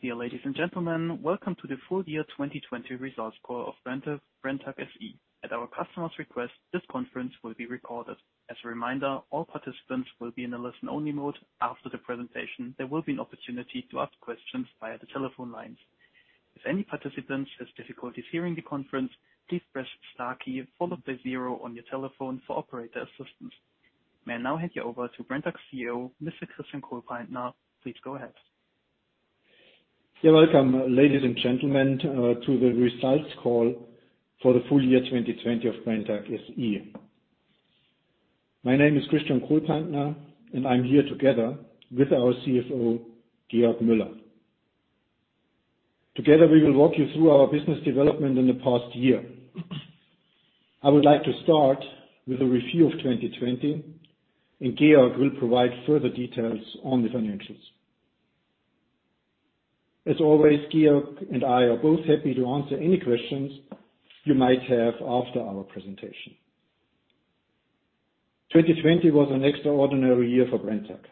Dear ladies and gentlemen, welcome to the full year 2020 results call of Brenntag SE. At our customers' request, this conference will be recorded. As a reminder, all participants will be in a listen-only mode. After the presentation, there will be an opportunity to ask questions via the telephone lines. If any participant has difficulties hearing the conference, please press star key followed by zero on your telephone for operator assistance. May I now hand you over to Brenntag's CEO, Mr. Christian Kohlpaintner. Please go ahead. Welcome, ladies and gentlemen, to the results call for the full year 2020 of Brenntag SE. My name is Christian Kohlpaintner, and I'm here together with our CFO, Georg Müller. Together, we will walk you through our business development in the past year. I would like to start with a review of 2020, and Georg will provide further details on the financials. As always, Georg and I are both happy to answer any questions you might have after our presentation. 2020 was an extraordinary year for Brenntag.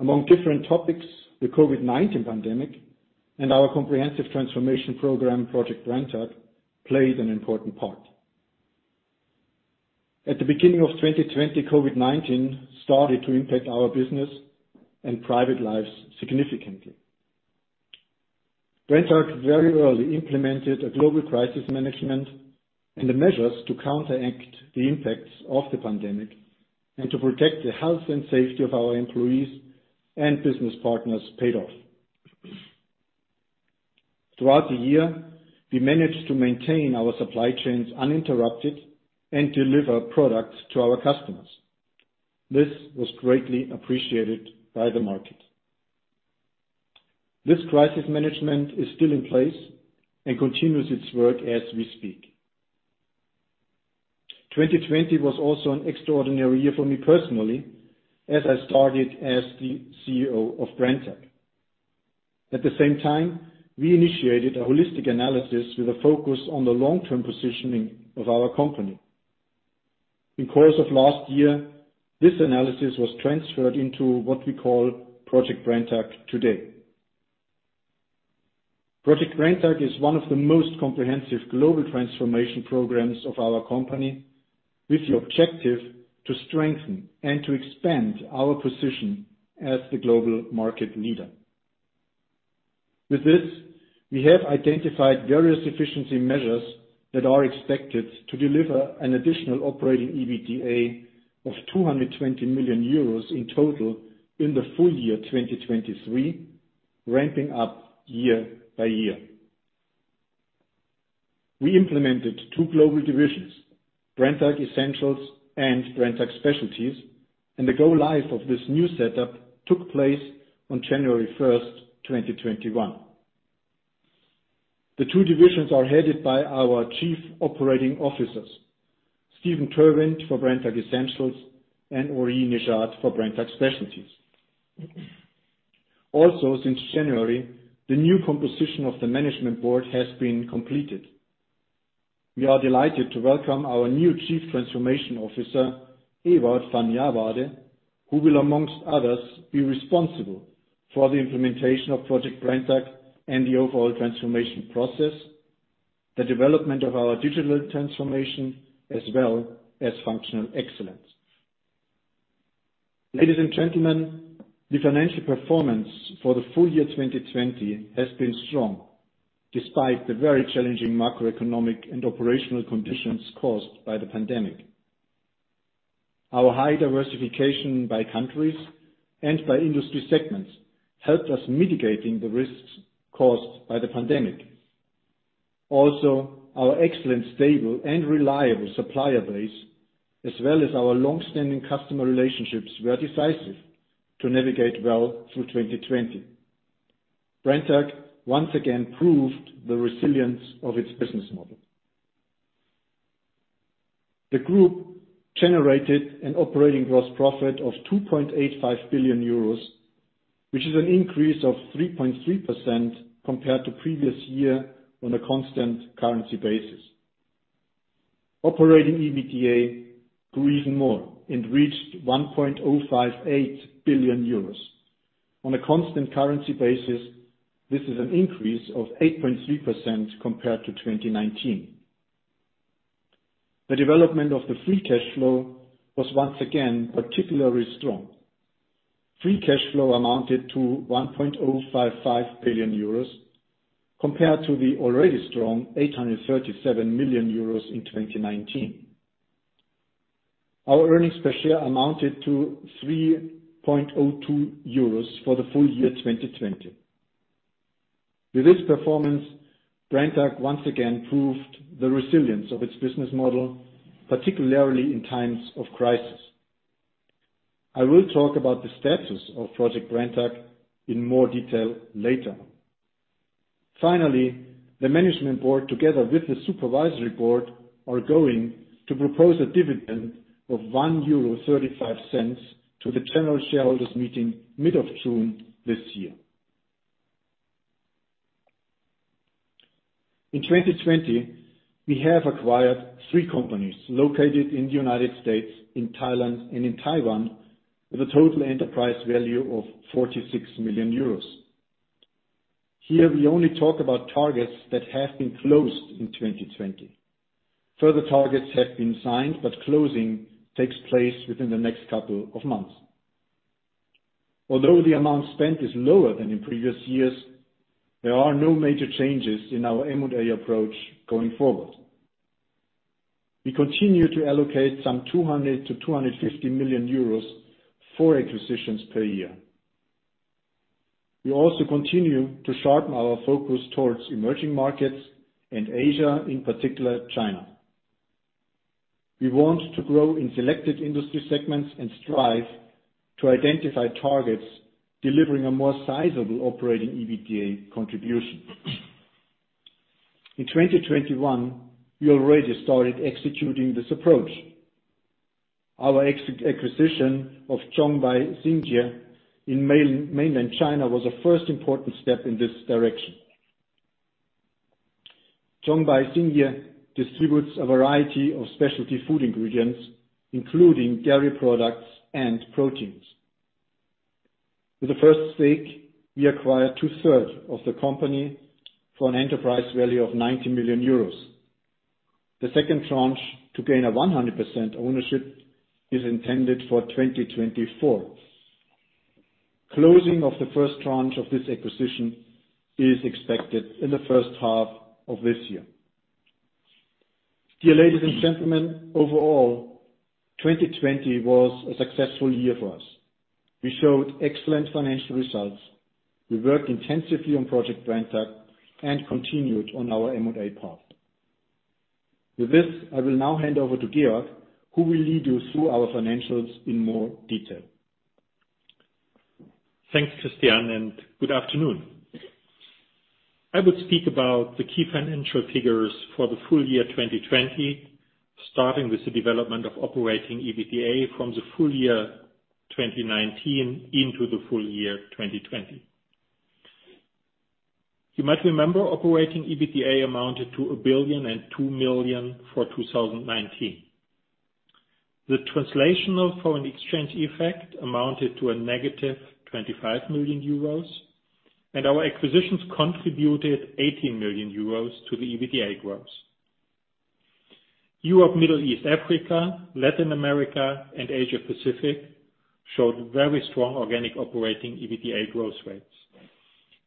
Among different topics, the COVID-19 pandemic and our comprehensive transformation program, Project Brenntag, played an important part. At the beginning of 2020, COVID-19 started to impact our business and private lives significantly. Brenntag very early implemented a global crisis management and the measures to counteract the impacts of the pandemic and to protect the health and safety of our employees and business partners paid off. Throughout the year, we managed to maintain our supply chains uninterrupted and deliver products to our customers. This was greatly appreciated by the market. This crisis management is still in place and continues its work as we speak. 2020 was also an extraordinary year for me personally as I started as the CEO of Brenntag. At the same time, we initiated a holistic analysis with a focus on the long-term positioning of our company. In course of last year, this analysis was transferred into what we call Project Brenntag today. Project Brenntag is one of the most comprehensive global transformation programs of our company, with the objective to strengthen and to expand our position as the global market leader. With this, we have identified various efficiency measures that are expected to deliver an additional operating EBITDA of 220 million euros in total in the full year 2023, ramping up year by year. We implemented two global divisions, Brenntag Essentials and Brenntag Specialties, and the go live of this new setup took place on January 1st, 2021. The two divisions are headed by our chief operating officers, Steven Terwindt for Brenntag Essentials and Henri Nejade for Brenntag Specialties. Also, since January, the new composition of the management board has been completed. We are delighted to welcome our new Chief Transformation Officer, Ewout van Jarwaarde, who will, amongst others, be responsible for the implementation of Project Brenntag and the overall transformation process, the development of our digital transformation, as well as functional excellence. Ladies and gentlemen, the financial performance for the full year 2020 has been strong, despite the very challenging macroeconomic and operational conditions caused by the pandemic. Our high diversification by countries and by industry segments helped us mitigating the risks caused by the pandemic. Our excellent, stable, and reliable supplier base, as well as our long-standing customer relationships, were decisive to navigate well through 2020. Brenntag once again proved the resilience of its business model. The group generated an operating gross profit of 2.85 billion euros, which is an increase of 3.3% compared to previous year on a constant currency basis. Operating EBITDA grew even more and reached 1.058 billion euros. On a constant currency basis, this is an increase of 8.3% compared to 2019. The development of the free cash flow was once again particularly strong. Free cash flow amounted to 1.055 billion euros compared to the already strong 837 million euros in 2019. Our earnings per share amounted to 3.02 euros for the full year 2020. With this performance, Brenntag once again proved the resilience of its business model, particularly in times of crisis. I will talk about the status of Project Brenntag in more detail later. The management board, together with the supervisory board, are going to propose a dividend of 1.35 euro to the general shareholders meeting mid of June this year. In 2020, we have acquired three companies located in the United States, in Thailand, and in Taiwan, with a total enterprise value of 46 million euros. Here, we only talk about targets that have been closed in 2020. Further targets have been signed, but closing takes place within the next couple of months. Although the amount spent is lower than in previous years, there are no major changes in our M&A approach going forward. We continue to allocate some 200 million-250 million euros for acquisitions per year. We also continue to sharpen our focus towards emerging markets and Asia, in particular, China. We want to grow in selected industry segments and strive to identify targets, delivering a more sizable operating EBITDA contribution. In 2021, we already started executing this approach. Our recent acquisition of Zhongbai Xingye Food Technology in Mainland China was a first important step in this direction. Zhongbai Xingye Food Technology distributes a variety of specialty food ingredients, including dairy products and proteins. With the first stake, we acquired two-third of the company for an enterprise value of 90 million euros. The second tranche to gain a 100% ownership is intended for 2024. Closing of the first tranche of this acquisition is expected in the first half of this year. Dear ladies and gentlemen, overall, 2020 was a successful year for us. We showed excellent financial results. We worked intensively on Project Brenntag and continued on our M&A path. With this, I will now hand over to Georg, who will lead you through our financials in more detail. Thanks, Christian. Good afternoon. I will speak about the key financial figures for the full year 2020, starting with the development of operating EBITDA from the full year 2019 into the full year 2020. You might remember operating EBITDA amounted to 1,002 million for 2019. The translational foreign exchange effect amounted to a negative 25 million euros. Our acquisitions contributed 80 million euros to the EBITDA growth. Europe, Middle East, Africa, Latin America, and Asia Pacific showed very strong organic operating EBITDA growth rates.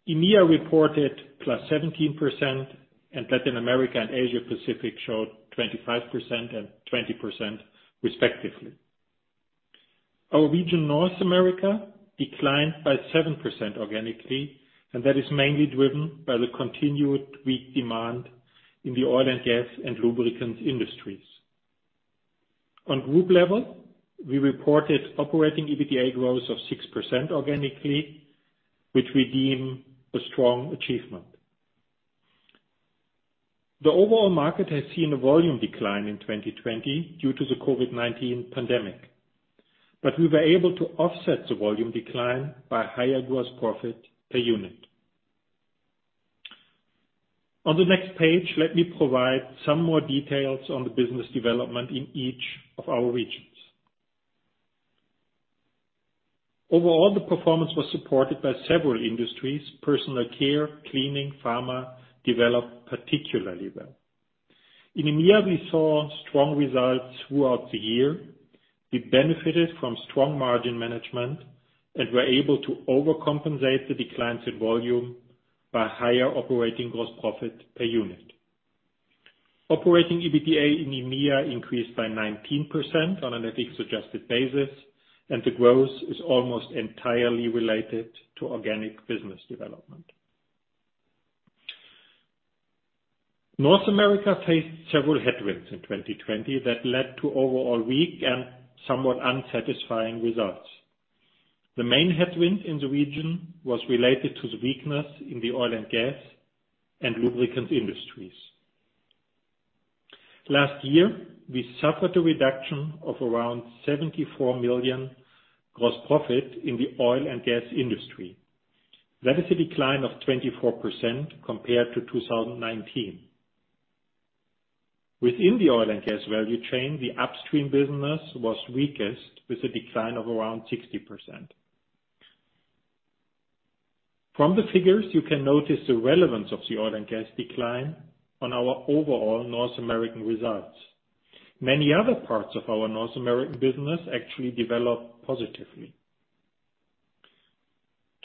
EMEA reported +17%. Latin America and Asia Pacific showed 25% and 20% respectively. Our region North America declined by 7% organically. That is mainly driven by the continued weak demand in the oil and gas and lubricants industries. On group level, we reported operating EBITDA growth of 6% organically, which we deem a strong achievement. The overall market has seen a volume decline in 2020 due to the COVID-19 pandemic, but we were able to offset the volume decline by higher gross profit per unit. On the next page, let me provide some more details on the business development in each of our regions. Overall, the performance was supported by several industries. Personal care, cleaning, pharma developed particularly well. In EMEA, we saw strong results throughout the year. We benefited from strong margin management and were able to overcompensate the declines in volume by higher operating gross profit per unit. Operating EBITDA in EMEA increased by 19% on an FX-adjusted basis, and the growth is almost entirely related to organic business development. North America faced several headwinds in 2020 that led to overall weak and somewhat unsatisfying results. The main headwind in the region was related to the weakness in the oil and gas and lubricants industries. Last year, we suffered a reduction of around 74 million gross profit in the oil and gas industry. That is a decline of 24% compared to 2019. Within the oil and gas value chain, the upstream business was weakest with a decline of around 60%. From the figures, you can notice the relevance of the oil and gas decline on our overall North American results. Many other parts of our North American business actually developed positively.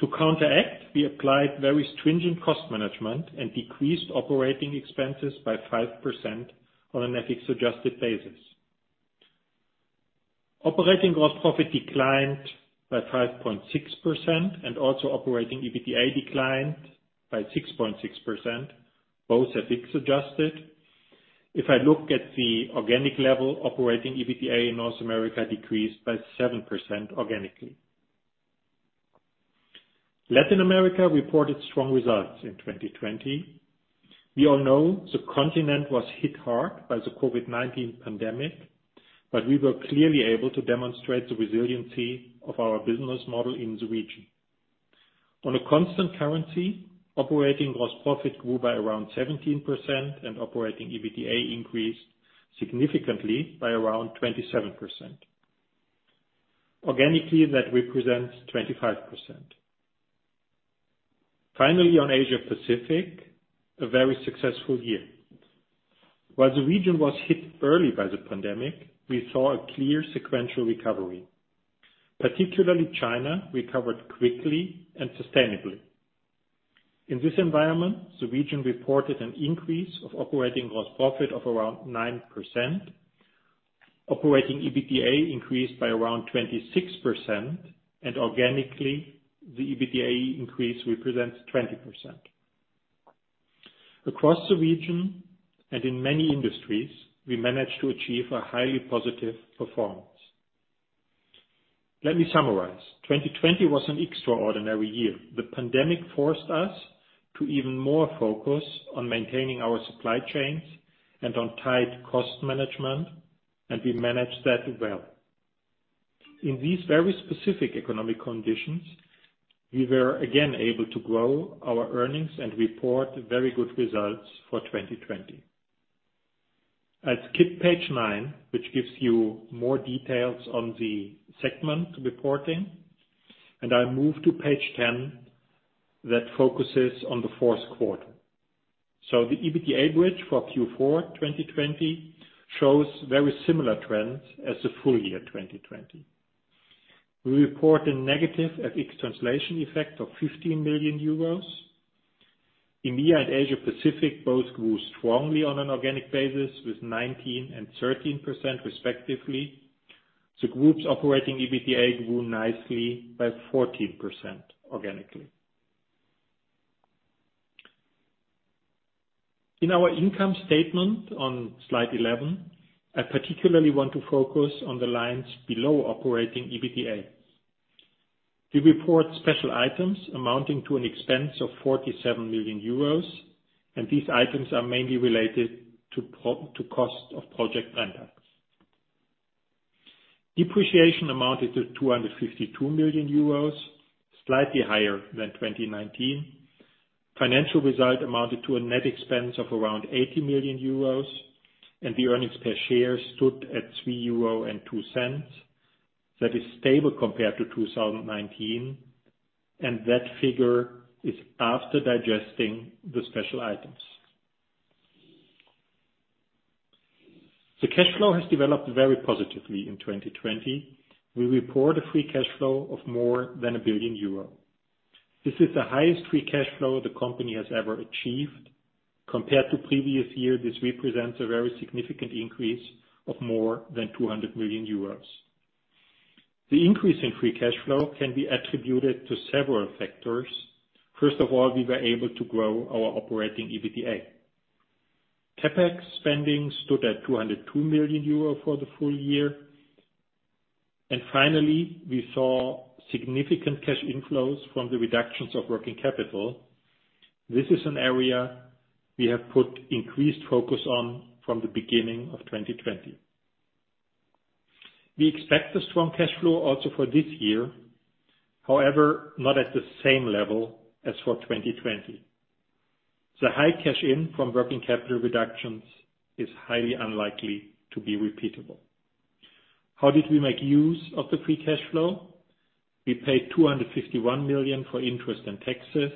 To counteract, we applied very stringent cost management and decreased operating expenses by 5% on an FX-adjusted basis. Operating gross profit declined by 5.6% and also operating EBITDA declined by 6.6%, both FX-adjusted. If I look at the organic level, operating EBITDA in North America decreased by 7% organically. Latin America reported strong results in 2020. We all know the continent was hit hard by the COVID-19 pandemic, but we were clearly able to demonstrate the resiliency of our business model in the region. On a constant currency, operating gross profit grew by around 17% and operating EBITDA increased significantly by around 27%. Organically, that represents 25%. Finally, on Asia Pacific, a very successful year. While the region was hit early by the pandemic, we saw a clear sequential recovery. Particularly China recovered quickly and sustainably. In this environment, the region reported an increase of operating gross profit of around 9%. Operating EBITDA increased by around 26%, and organically, the EBITDA increase represents 20%. Across the region and in many industries, we managed to achieve a highly positive performance. Let me summarize. 2020 was an extraordinary year. The pandemic forced us to even more focus on maintaining our supply chains and on tight cost management, and we managed that well. In these very specific economic conditions, we were again able to grow our earnings and report very good results for 2020. I'll skip page nine, which gives you more details on the segment reporting, and I move to page 10, that focuses on the fourth quarter. The EBITDA bridge for Q4 2020 shows very similar trends as the full year 2020. We report a negative FX translation effect of 15 million euros. EMEA and Asia Pacific both grew strongly on an organic basis with 19% and 13% respectively. The group's operating EBITDA grew nicely by 14% organically. In our income statement on slide 11, I particularly want to focus on the lines below operating EBITDA. We report special items amounting to an expense of 47 million euros. These items are mainly related to cost of Project Brenntag. Depreciation amounted to 252 million euros, slightly higher than 2019. Financial result amounted to a net expense of around 80 million euros. The earnings per share stood at 3.02 euro. That is stable compared to 2019. That figure is after digesting the special items. The cash flow has developed very positively in 2020. We report a free cash flow of more than 1 billion euro. This is the highest free cash flow the company has ever achieved. Compared to previous year, this represents a very significant increase of more than 200 million euros. The increase in free cash flow can be attributed to several factors. First of all, we were able to grow our operating EBITDA. CapEx spending stood at 202 million euro for the full year. Finally, we saw significant cash inflows from the reductions of working capital. This is an area we have put increased focus on from the beginning of 2020. We expect a strong cash flow also for this year. However, not at the same level as for 2020. The high cash in from working capital reductions is highly unlikely to be repeatable. How did we make use of the free cash flow? We paid 251 million for interest and taxes.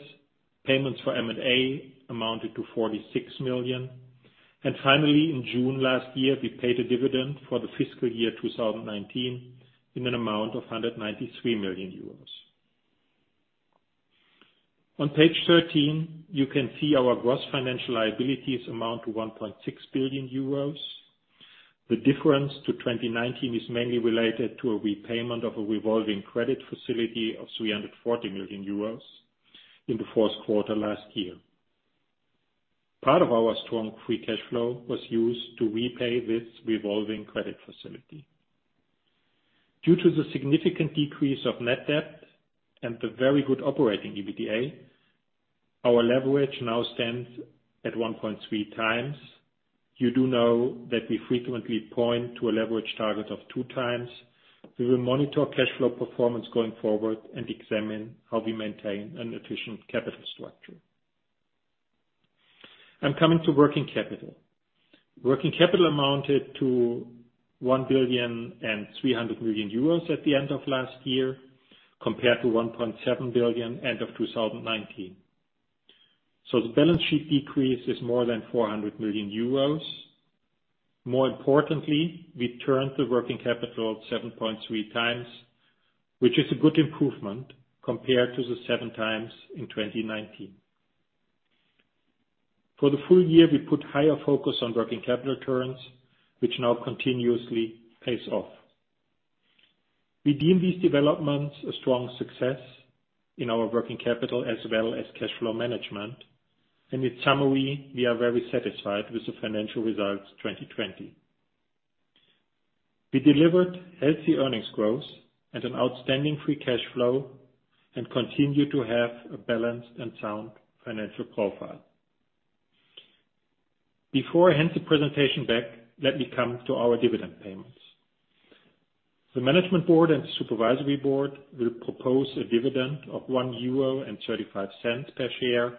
Payments for M&A amounted to 46 million. Finally, in June last year, we paid a dividend for the fiscal year 2019 in an amount of 193 million euros. On page 13, you can see our gross financial liabilities amount to 1.6 billion euros. The difference to 2019 is mainly related to a repayment of a revolving credit facility of 340 million euros in the fourth quarter last year. Part of our strong free cash flow was used to repay this revolving credit facility. Due to the significant decrease of net debt and the very good operating EBITDA, our leverage now stands at 1.3x. You do know that we frequently point to a leverage target of two times. We will monitor cash flow performance going forward and examine how we maintain an efficient capital structure. I'm coming to working capital. Working capital amounted to 1.3 billion at the end of last year, compared to 1.7 billion end of 2019. The balance sheet decrease is more than 400 million euros. More importantly, we turned the working capital 7.3x, which is a good improvement compared to the 7x in 2019. For the full year, we put higher focus on working capital turns, which now continuously pays off. We deem these developments a strong success in our working capital as well as cash flow management, and in summary, we are very satisfied with the financial results 2020. We delivered healthy earnings growth and an outstanding free cash flow and continue to have a balanced and sound financial profile. Before I hand the presentation back, let me come to our dividend payments. The management board and supervisory board will propose a dividend of 1.35 euro per share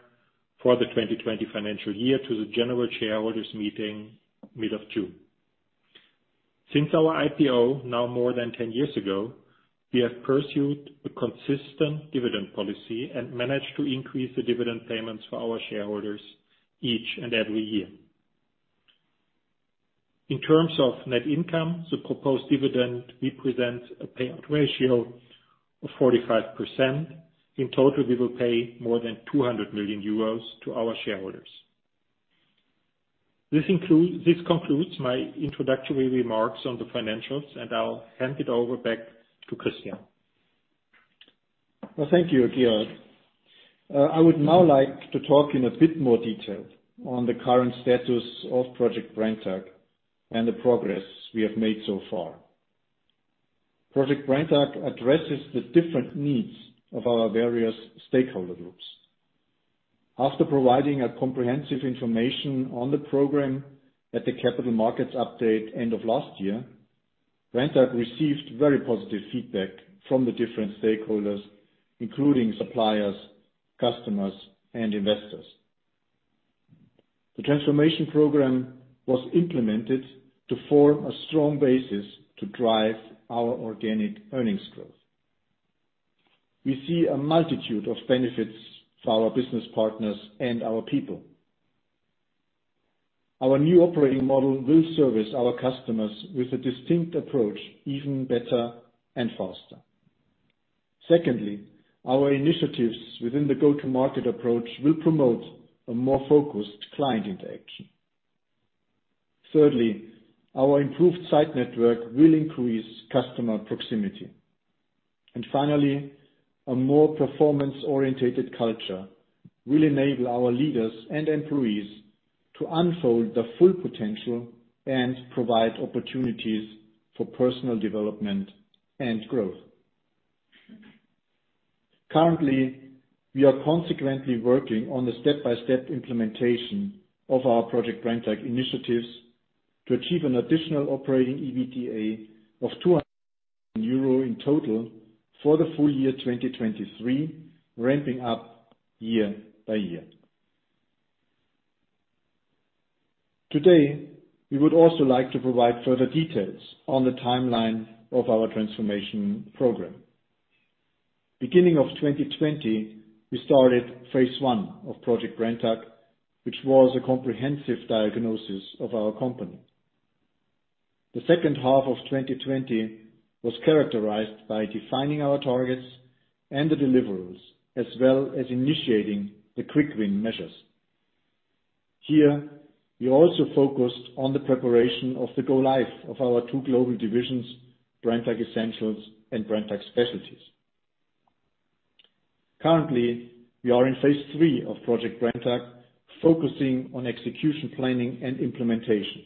for the 2020 financial year to the general shareholders meeting mid of June. Since our IPO, now more than 10 years ago, we have pursued a consistent dividend policy and managed to increase the dividend payments for our shareholders each and every year. In terms of net income, the proposed dividend represents a payout ratio of 45%. In total, we will pay more than 200 million euros to our shareholders. This concludes my introductory remarks on the financials, and I'll hand it over back to Christian. Well, thank you, Georg. I would now like to talk in a bit more detail on the current status of Project Brenntag and the progress we have made so far. Project Brenntag addresses the different needs of our various stakeholder groups. After providing a comprehensive information on the program at the capital markets update end of last year, Brenntag received very positive feedback from the different stakeholders, including suppliers, customers, and investors. The transformation program was implemented to form a strong basis to drive our organic earnings growth. We see a multitude of benefits for our business partners and our people. Our new operating model will service our customers with a distinct approach even better and faster. Secondly, our initiatives within the go-to-market approach will promote a more focused client interaction. Thirdly, our improved site network will increase customer proximity. Finally, a more performance-oriented culture will enable our leaders and employees to unfold their full potential and provide opportunities for personal development and growth. Currently, we are consequently working on the step-by-step implementation of our Project Brenntag initiatives to achieve an additional operating EBITDA of 200 million euro in total for the full year 2023, ramping up year by year. Today, we would also like to provide further details on the timeline of our transformation program. Beginning of 2020, we started phase 1 of Project Brenntag, which was a comprehensive diagnosis of our company. The second half of 2020 was characterized by defining our targets and the deliverables, as well as initiating the quick win measures. Here, we also focused on the preparation of the go-live of our two global divisions, Brenntag Essentials and Brenntag Specialties. Currently, we are in phase 3 of Project Brenntag, focusing on execution planning and implementation.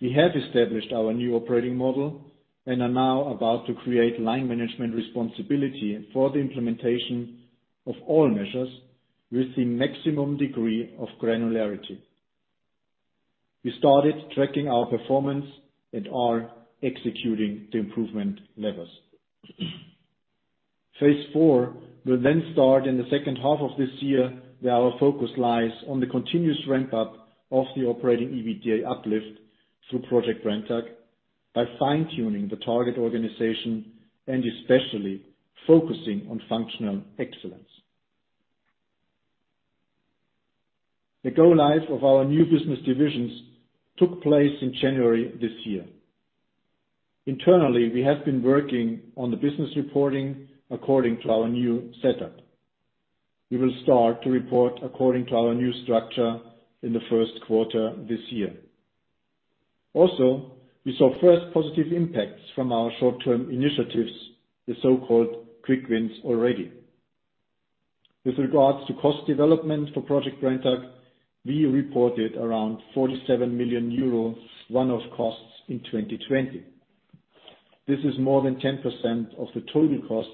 We have established our new operating model and are now about to create line management responsibility for the implementation of all measures with the maximum degree of granularity. We started tracking our performance and are executing the improvement levers. phase 4 will then start in the second half of this year, where our focus lies on the continuous ramp-up of the operating EBITDA uplift through Project Brenntag by fine-tuning the target organization and especially focusing on functional excellence. The go live of our new business divisions took place in January this year. Internally, we have been working on the business reporting according to our new setup. We will start to report according to our new structure in the first quarter this year. We saw first positive impacts from our short-term initiatives, the so-called quick wins, already. With regards to cost development for Project Brenntag, we reported around 47 million euros one-off costs in 2020. This is more than 10% of the total costs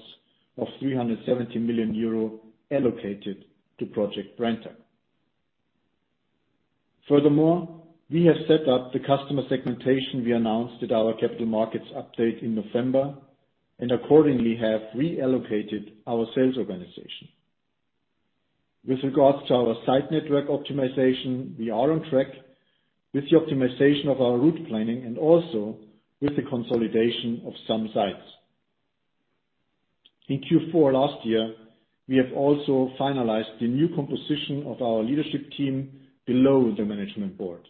of 370 million euro allocated to Project Brenntag. We have set up the customer segmentation we announced at our capital markets update in November, and accordingly, have reallocated our sales organization. With regards to our site network optimization, we are on track with the optimization of our route planning and also with the consolidation of some sites. In Q4 last year, we have also finalized the new composition of our leadership team below the management board.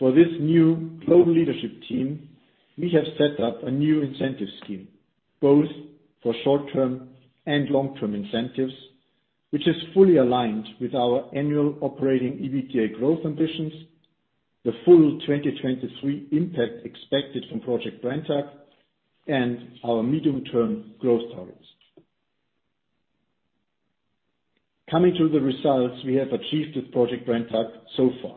For this new global leadership team, we have set up a new incentive scheme, both for short-term and long-term incentives, which is fully aligned with our annual operating EBITDA growth ambitions, the full 2023 impact expected from Project Brenntag, and our medium-term growth targets. Coming to the results we have achieved with Project Brenntag so far.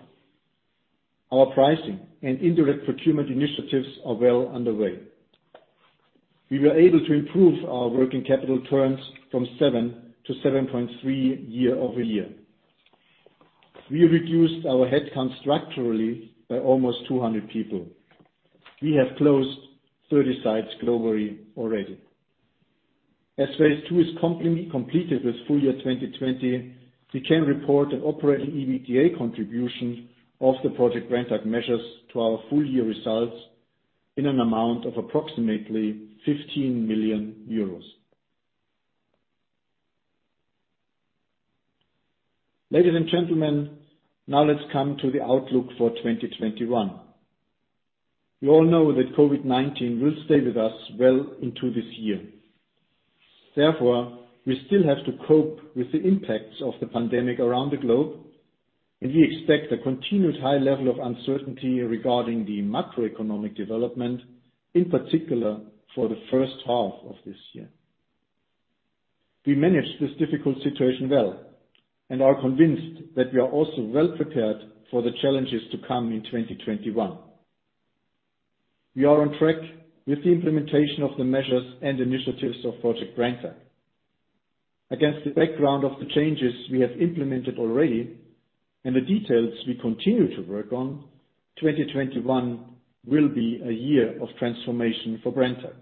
Our pricing and indirect procurement initiatives are well underway. We were able to improve our working capital turns from 7-7.3 year-over-year. We reduced our headcount structurally by almost 200 people. We have closed 30 sites globally already. As Phase Two is completely completed with full year 2020, we can report an operating EBITDA contribution of the Project Brenntag measures to our full year results in an amount of approximately 15 million euros. Ladies and gentlemen, now let's come to the outlook for 2021. We all know that COVID-19 will stay with us well into this year. Therefore, we still have to cope with the impacts of the pandemic around the globe, and we expect a continued high level of uncertainty regarding the macroeconomic development, in particular for the first half of this year. We managed this difficult situation well, and are convinced that we are also well-prepared for the challenges to come in 2021. We are on track with the implementation of the measures and initiatives of Project Brenntag. Against the background of the changes we have implemented already and the details we continue to work on, 2021 will be a year of transformation for Brenntag.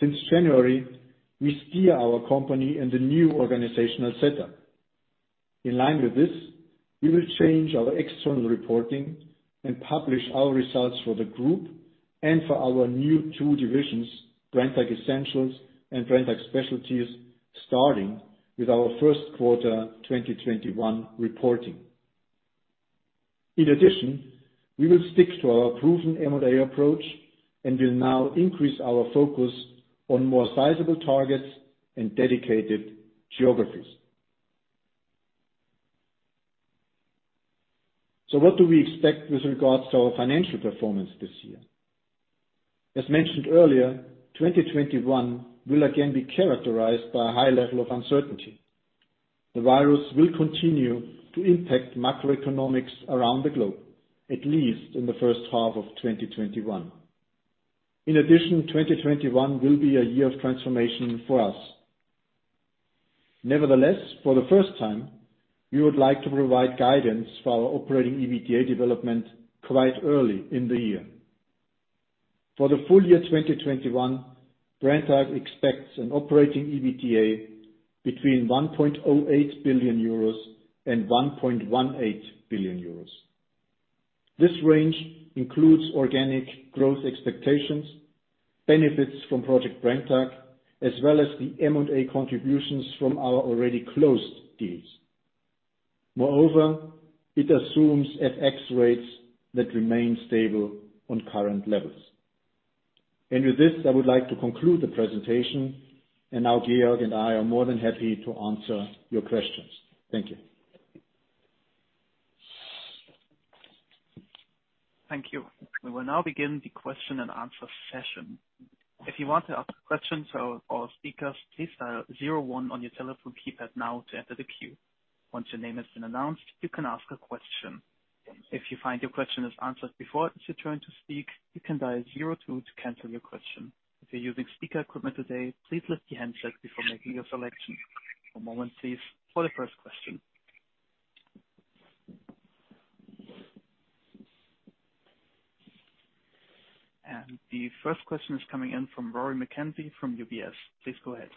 Since January, we steer our company in the new organizational setup. In line with this, we will change our external reporting and publish our results for the group and for our new two divisions, Brenntag Essentials and Brenntag Specialties, starting with our first quarter 2021 reporting. In addition, we will stick to our proven M&A approach and will now increase our focus on more sizable targets and dedicated geographies. What do we expect with regards to our financial performance this year? As mentioned earlier, 2021 will again be characterized by a high level of uncertainty. The virus will continue to impact macroeconomics around the globe, at least in the first half of 2021. In addition, 2021 will be a year of transformation for us. For the first time, we would like to provide guidance for our operating EBITDA development quite early in the year. For the full year 2021, Brenntag expects an operating EBITDA between 1.08 billion euros and 1.18 billion euros. This range includes organic growth expectations, benefits from Project Brenntag, as well as the M&A contributions from our already closed deals. It assumes FX rates that remain stable on current levels. With this, I would like to conclude the presentation, and now Georg and I are more than happy to answer your questions. Thank you. Thank you. We will now begin the question and answer session. If you want to ask questions, to our speakers. Please dial zero one on your telephone keypad now to enter the queue. Once your name has been announced. You can ask a question, if you find your question is answered before and you do not want to to speak. You can dial zero two to cancel your question, if you're using speaker equipment today. Please lift your handset before making your selection. One moment please for the first question. The first question is coming in from Rory McKenzie from UBS. Please go ahead.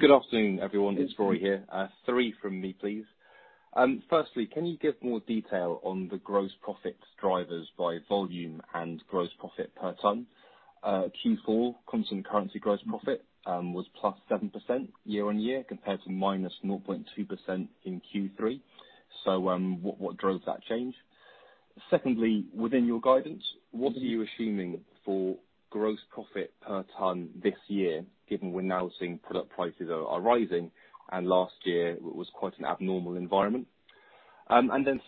Good afternoon, everyone. Yes. It's Rory here. Three from me, please. Firstly, can you give more detail on the gross profit drivers by volume and gross profit per ton? Q4 constant currency gross profit was +7% year-over-year compared to -0.2% in Q3. What drove that change? Secondly, within your guidance, what are you assuming for gross profit per ton this year, given we're now seeing product prices are rising and last year was quite an abnormal environment?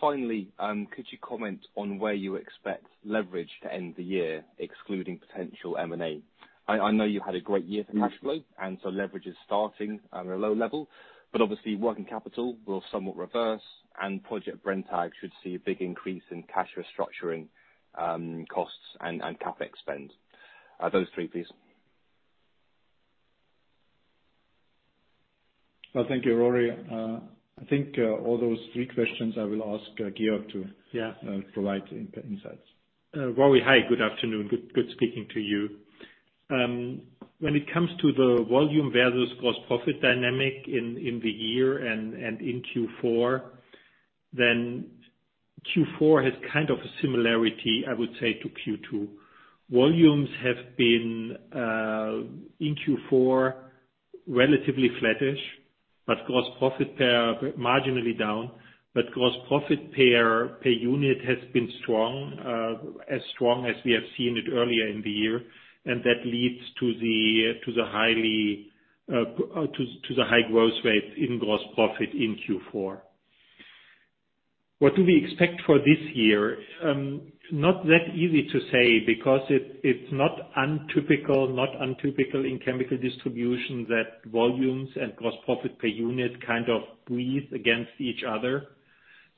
Finally, could you comment on where you expect leverage to end the year excluding potential M&A? I know you had a great year for cash flow, and so leverage is starting at a low level, but obviously working capital will somewhat reverse and Project Brenntag should see a big increase in cash restructuring costs and CapEx spend. Those three, please. Well, thank you, Rory. I think, all those three questions I will ask Georg. Yeah provide insights. Rory, hi. Good afternoon. Good speaking to you. When it comes to the volume versus gross profit dynamic in the year and in Q4 has kind of a similarity, I would say, to Q2. Volumes have been, in Q4, relatively flattish, gross profit are marginally down, gross profit per unit has been strong, as strong as we have seen it earlier in the year. That leads to the high growth rate in gross profit in Q4. What do we expect for this year? Not that easy to say because it's not untypical in chemical distribution that volumes and gross profit per unit kind of breathe against each other.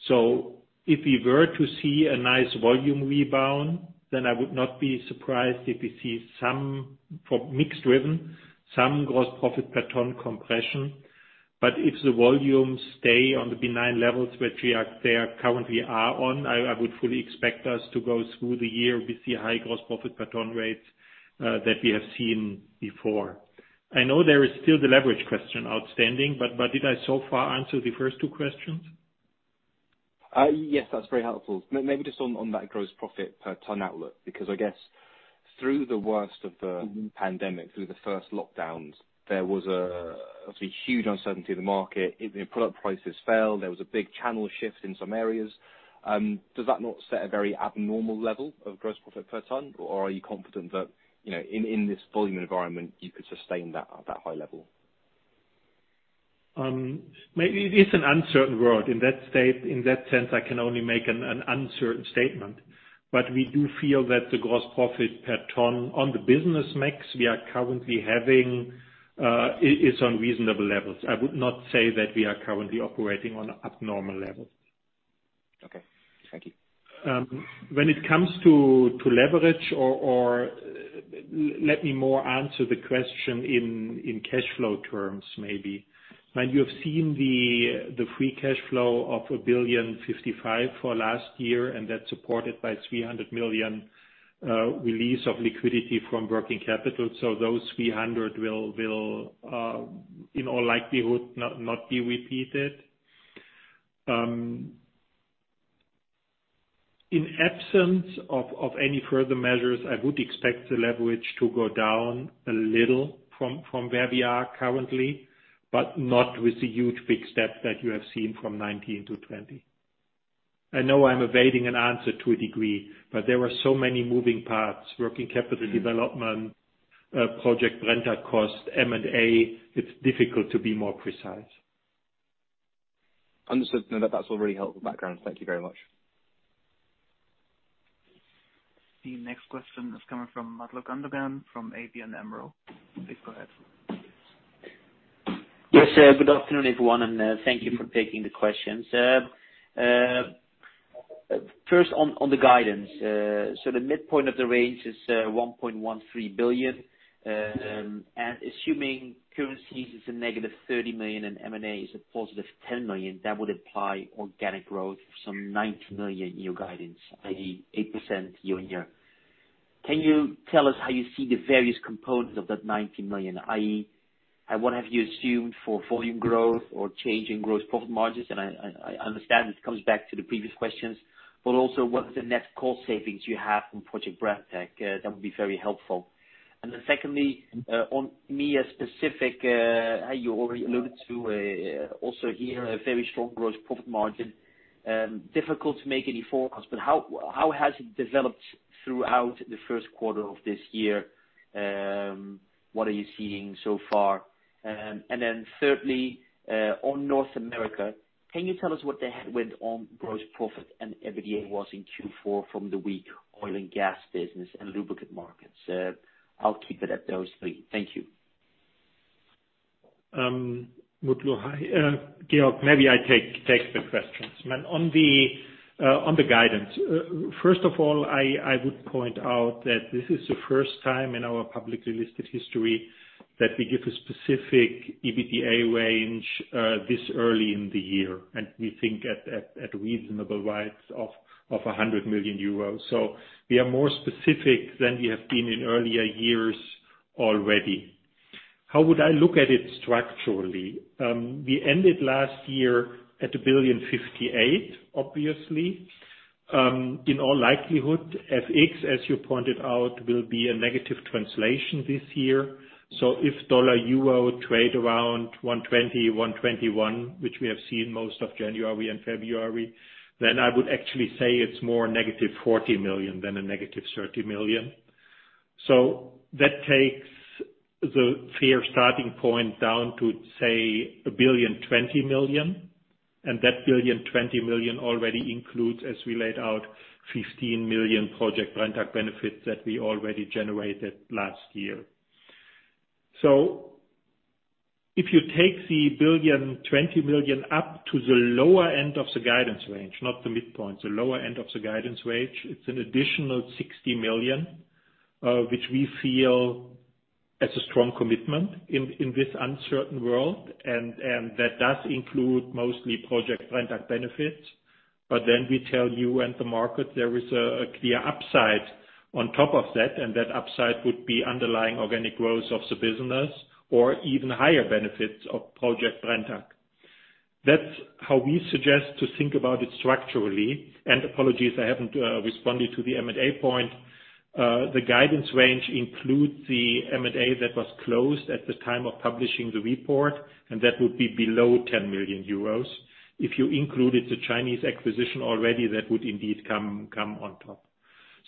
If we were to see a nice volume rebound, I would not be surprised if we see some mixed driven, some gross profit per ton compression. If the volumes stay on the benign levels which they currently are on, I would fully expect us to go through the year with the high gross profit per ton rates that we have seen before. I know there is still the leverage question outstanding, but did I so far answer the first two questions? Yes, that's very helpful. Maybe just on that gross profit per ton outlook, because I guess through the worst of the pandemic, through the first lockdowns, there was a huge uncertainty in the market. Product prices fell. There was a big channel shift in some areas. Does that not set a very abnormal level of gross profit per ton? Or are you confident that in this volume environment, you could sustain that high level? It's an uncertain world. In that sense, I can only make an uncertain statement. We do feel that the gross profit per ton on the business mix we are currently having is on reasonable levels. I would not say that we are currently operating on abnormal levels. Okay. Thank you. When it comes to leverage, or let me more answer the question in cash flow terms, maybe. You have seen the free cash flow of 1.055 billion for last year, and that's supported by 300 million release of liquidity from working capital. Those 300 million will, in all likelihood, not be repeated. In absence of any further measures, I would expect the leverage to go down a little from where we are currently, but not with the huge big step that you have seen from 2019 to 2020. I know I'm evading an answer to a degree, but there are so many moving parts, working capital development, Project Brenntag cost, M&A. It's difficult to be more precise. Understood. No, that's all really helpful background. Thank you very much. The next question is coming from Mutlu Gundogan from ABN AMRO. Please go ahead. Yes, good afternoon, everyone. Thank you for taking the questions. First, on the guidance. The midpoint of the range is 1.13 billion. Assuming currencies is a -30 million and M&A is a +10 million, that would imply organic growth of some 90 million in your guidance, i.e., 8% year-on-year. Can you tell us how you see the various components of that 90 million, i.e., what have you assumed for volume growth or change in gross profit margins? I understand this comes back to the previous questions, but also what are the net cost savings you have from Project Brenntag? That would be very helpful. Secondly, on EMEA specific, you already alluded to also here a very strong gross profit margin. Difficult to make any forecast, but how has it developed throughout the first quarter of this year? What are you seeing so far? Thirdly, on North America, can you tell us what the headwind on gross profit and EBITDA was in Q4 from the weak oil and gas business and lubricant markets? I'll keep it at those three. Thank you. Mutlu. Hi. Georg, maybe I take the questions. On the guidance, first of all, I would point out that this is the first time in our publicly listed history that we give a specific EBITDA range this early in the year, and we think at reasonable rights of 100 million euros. We are more specific than we have been in earlier years already. How would I look at it structurally? We ended last year at 1.058 billion, obviously. In all likelihood, FX, as you pointed out, will be a negative translation this year. If USD-EUR trade around 120, 121, which we have seen most of January and February, then I would actually say it's more negative 40 million than a negative 30 million. That takes the fair starting point down to, say, 1,020 million. That 1,020 million already includes, as we laid out, 15 million Project Brenntag benefits that we already generated last year. If you take the 1,020 million up to the lower end of the guidance range, not the midpoint, the lower end of the guidance range, it is an additional 60 million, which we feel is a strong commitment in this uncertain world. That does include mostly Project Brenntag benefits. We tell you and the market there is a clear upside on top of that. That upside would be underlying organic growth of the business or even higher benefits of Project Brenntag. That is how we suggest to think about it structurally. Apologies, I haven't responded to the M&A point. The guidance range includes the M&A that was closed at the time of publishing the report. That would be below 10 million euros. If you included the Chinese acquisition already, that would indeed come on top.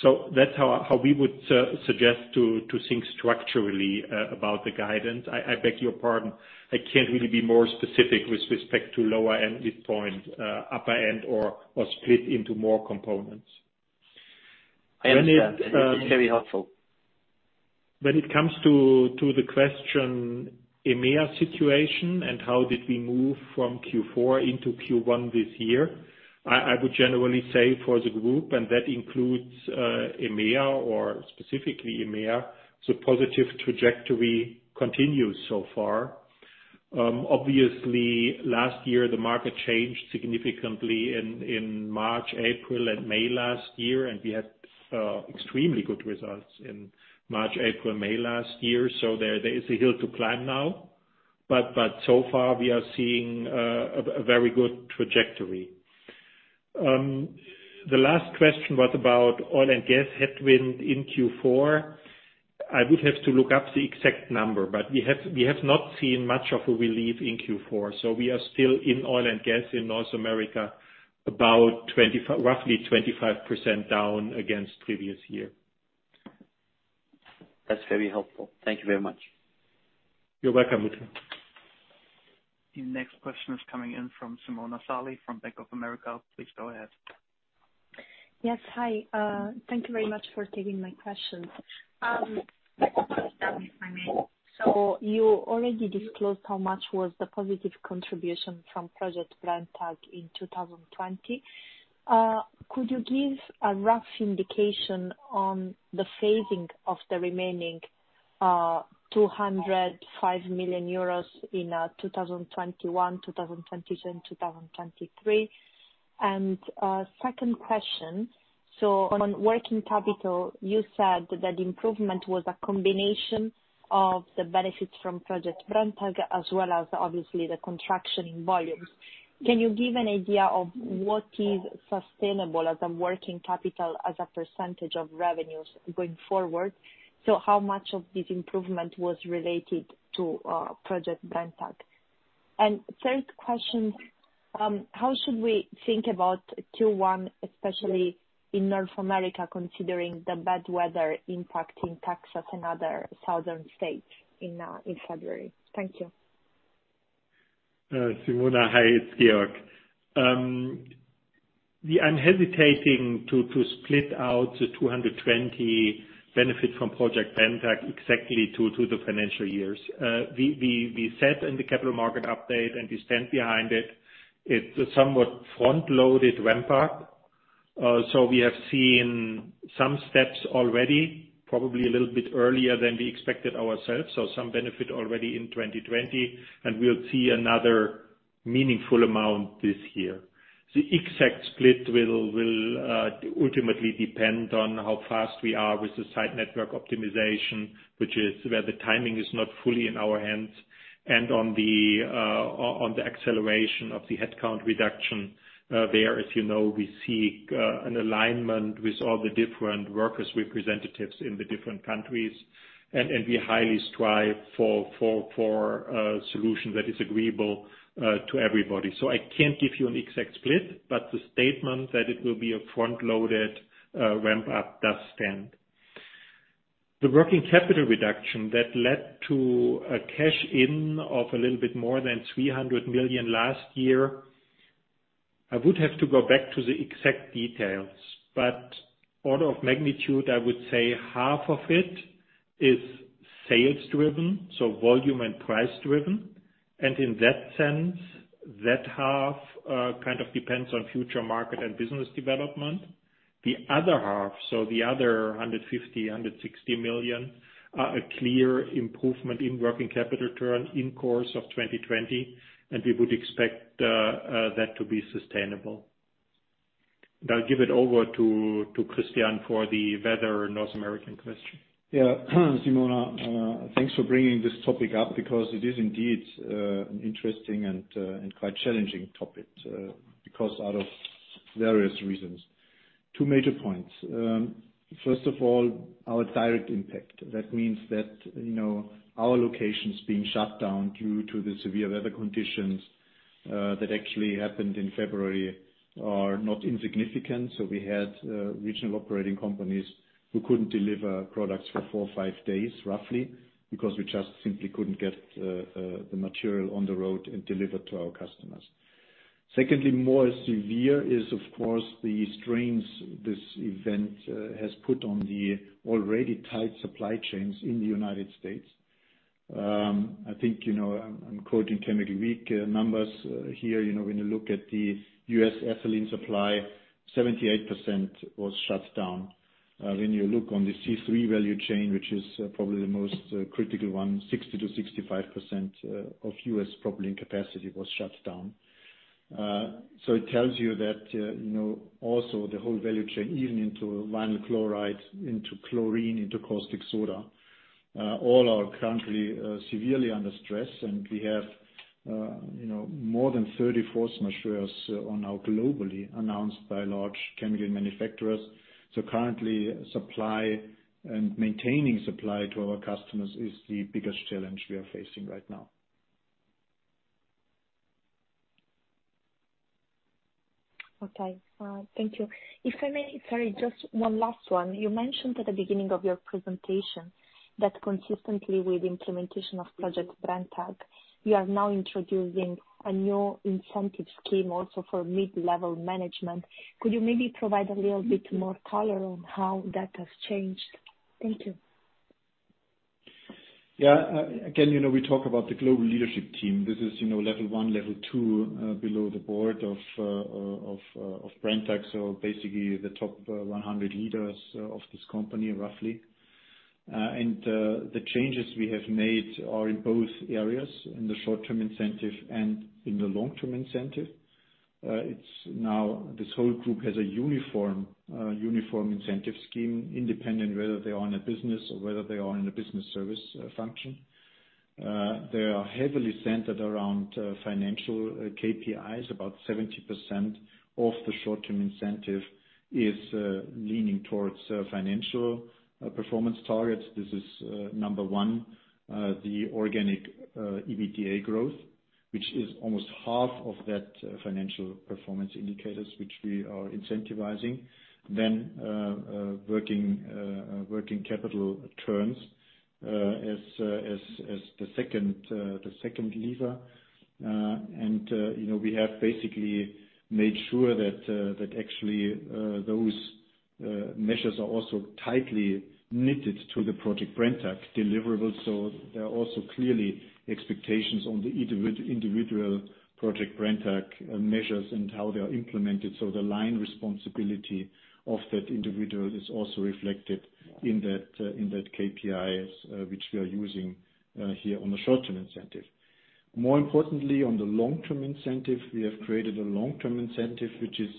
That's how we would suggest to think structurally about the guidance. I beg your pardon. I can't really be more specific with respect to lower end midpoint, upper end, or split into more components. I understand. That is very helpful. When it comes to the question, EMEA situation and how did we move from Q4 into Q1 this year, I would generally say for the group, and that includes EMEA or specifically EMEA, the positive trajectory continues so far. Last year, the market changed significantly in March, April, and May last year, and we had extremely good results in March, April, May last year. There is a hill to climb now, but so far we are seeing a very good trajectory. The last question was about oil and gas headwind in Q4. I would have to look up the exact number, but we have not seen much of a relief in Q4. We are still in oil and gas in North America, about roughly 25% down against previous year. That's very helpful. Thank you very much. You're welcome, Mutlu. The next question is coming in from Simona Sarli from Bank of America. Please go ahead. Yes. Hi. Thank you very much for taking my questions. You already disclosed how much was the positive contribution from Project Brenntag in 2020. Could you give a rough indication on the phasing of the remaining 205 million euros in 2021, 2022, and 2023? Second question, on working capital, you said that improvement was a combination of the benefits from Project Brenntag as well as obviously the contraction in volumes. Can you give an idea of what is sustainable as a working capital as a percentage of revenues going forward? How much of this improvement was related to Project Brenntag? Third question, how should we think about Q1, especially in North America, considering the bad weather impacting Texas and other southern states in February? Thank you. Simona. Hi, it's Georg. I'm hesitating to split out the 220 million benefit from Project Brenntag exactly to the financial years. We said in the capital market update, and we stand behind it's a somewhat front-loaded ramp up. We have seen some steps already, probably a little bit earlier than we expected ourselves. Some benefit already in 2020, and we'll see another meaningful amount this year. The exact split will ultimately depend on how fast we are with the site network optimization, which is where the timing is not fully in our hands, and on the acceleration of the headcount reduction. There, as you know, we seek an alignment with all the different workers representatives in the different countries, and we highly strive for a solution that is agreeable to everybody. I can't give you an exact split, but the statement that it will be a front-loaded ramp up does stand. The working capital reduction that led to a cash in of a little bit more than 300 million last year, I would have to go back to the exact details, but order of magnitude, I would say half of it is sales driven, so volume and price driven. In that sense, that half, kind of depends on future market and business development. The other half, so the other 150 million, 160 million, are a clear improvement in working capital turn in course of 2020, and we would expect that to be sustainable. I'll give it over to Christian for the weather in North American question. Yeah. Simona, thanks for bringing this topic up because it is indeed an interesting and quite challenging topic because out of various reasons. Two major points. First of all, our direct impact. That means that our locations being shut down due to the severe weather conditions, that actually happened in February, are not insignificant. We had regional operating companies who couldn't deliver products for four or five days, roughly, because we just simply couldn't get the material on the road and delivered to our customers. Secondly, more severe is, of course, the strains this event has put on the already tight supply chains in the United States. I think, I'm quoting Chemical Week numbers here. When you look at the U.S. ethylene supply, 78% was shut down. When you look on the C3 value chain, which is probably the most critical one, 60%-65% of U.S. propylene capacity was shut down. It tells you that also the whole value chain, even into vinyl chloride, into chlorine, into caustic soda, all are currently severely under stress. We have more than 30 force majeure on now globally announced by large chemical manufacturers. Currently, supply and maintaining supply to our customers is the biggest challenge we are facing right now. Okay. Thank you. If I may, sorry, just one last one. You mentioned at the beginning of your presentation that consistently with the implementation of Project Brenntag, you are now introducing a new incentive scheme also for mid-level management. Could you maybe provide a little bit more color on how that has changed? Thank you. Yeah. Again, we talk about the global leadership team. This is level one, level two below the Board of Brenntag. Basically the top 100 leaders of this company, roughly. The changes we have made are in both areas, in the short-term incentive and in the long-term incentive. Now this whole group has a uniform incentive scheme, independent whether they are in a business or whether they are in a business service function. They are heavily centered around financial KPIs. About 70% of the short-term incentive is leaning towards financial performance targets. This is number one, the organic EBITDA growth, which is almost half of that financial performance indicators, which we are incentivizing. Working capital turns as the second lever. We have basically made sure that actually, those measures are also tightly knitted to the Project Brenntag deliverables. There are also clearly expectations on the individual Project Brenntag measures and how they are implemented. The line responsibility of that individual is also reflected in that KPI, which we are using here on the short-term incentive. More importantly, on the long-term incentive, we have created a long-term incentive, which is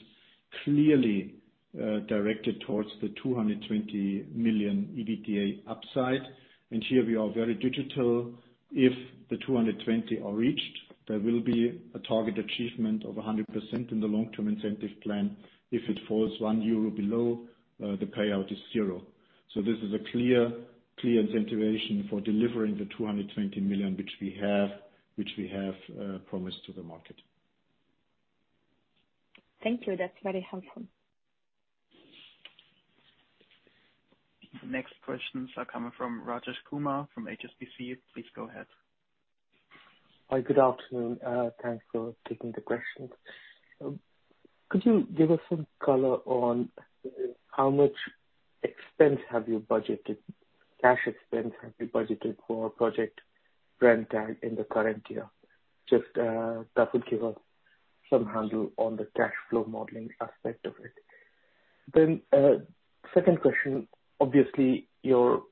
clearly directed towards the 220 million EBITDA upside, and here we are very digital. If the 220 million are reached, there will be a target achievement of 100% in the long-term incentive plan. If it falls 1 euro below, the payout is zero. This is a clear incentivation for delivering the 220 million, which we have promised to the market. Thank you. That's very helpful. The next questions are coming from Rajesh Kumar from HSBC. Please go ahead. Hi. Good afternoon. Thanks for taking the questions. Could you give us some color on how much expense have you budgeted, cash expense have you budgeted for Project Brenntag in the current year? Just that would give us some handle on the cash flow modeling aspect of it. Second question. Obviously, your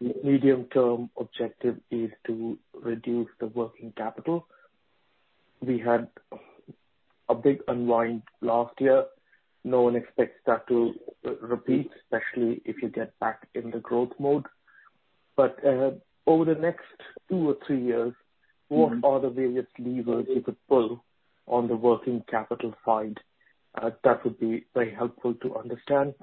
medium term objective is to reduce the working capital. We had a big unwind last year. No one expects that to repeat, especially if you get back in the growth mode. Over the next two or three years, what are the various levers you could pull on the working capital side? That would be very helpful to understand.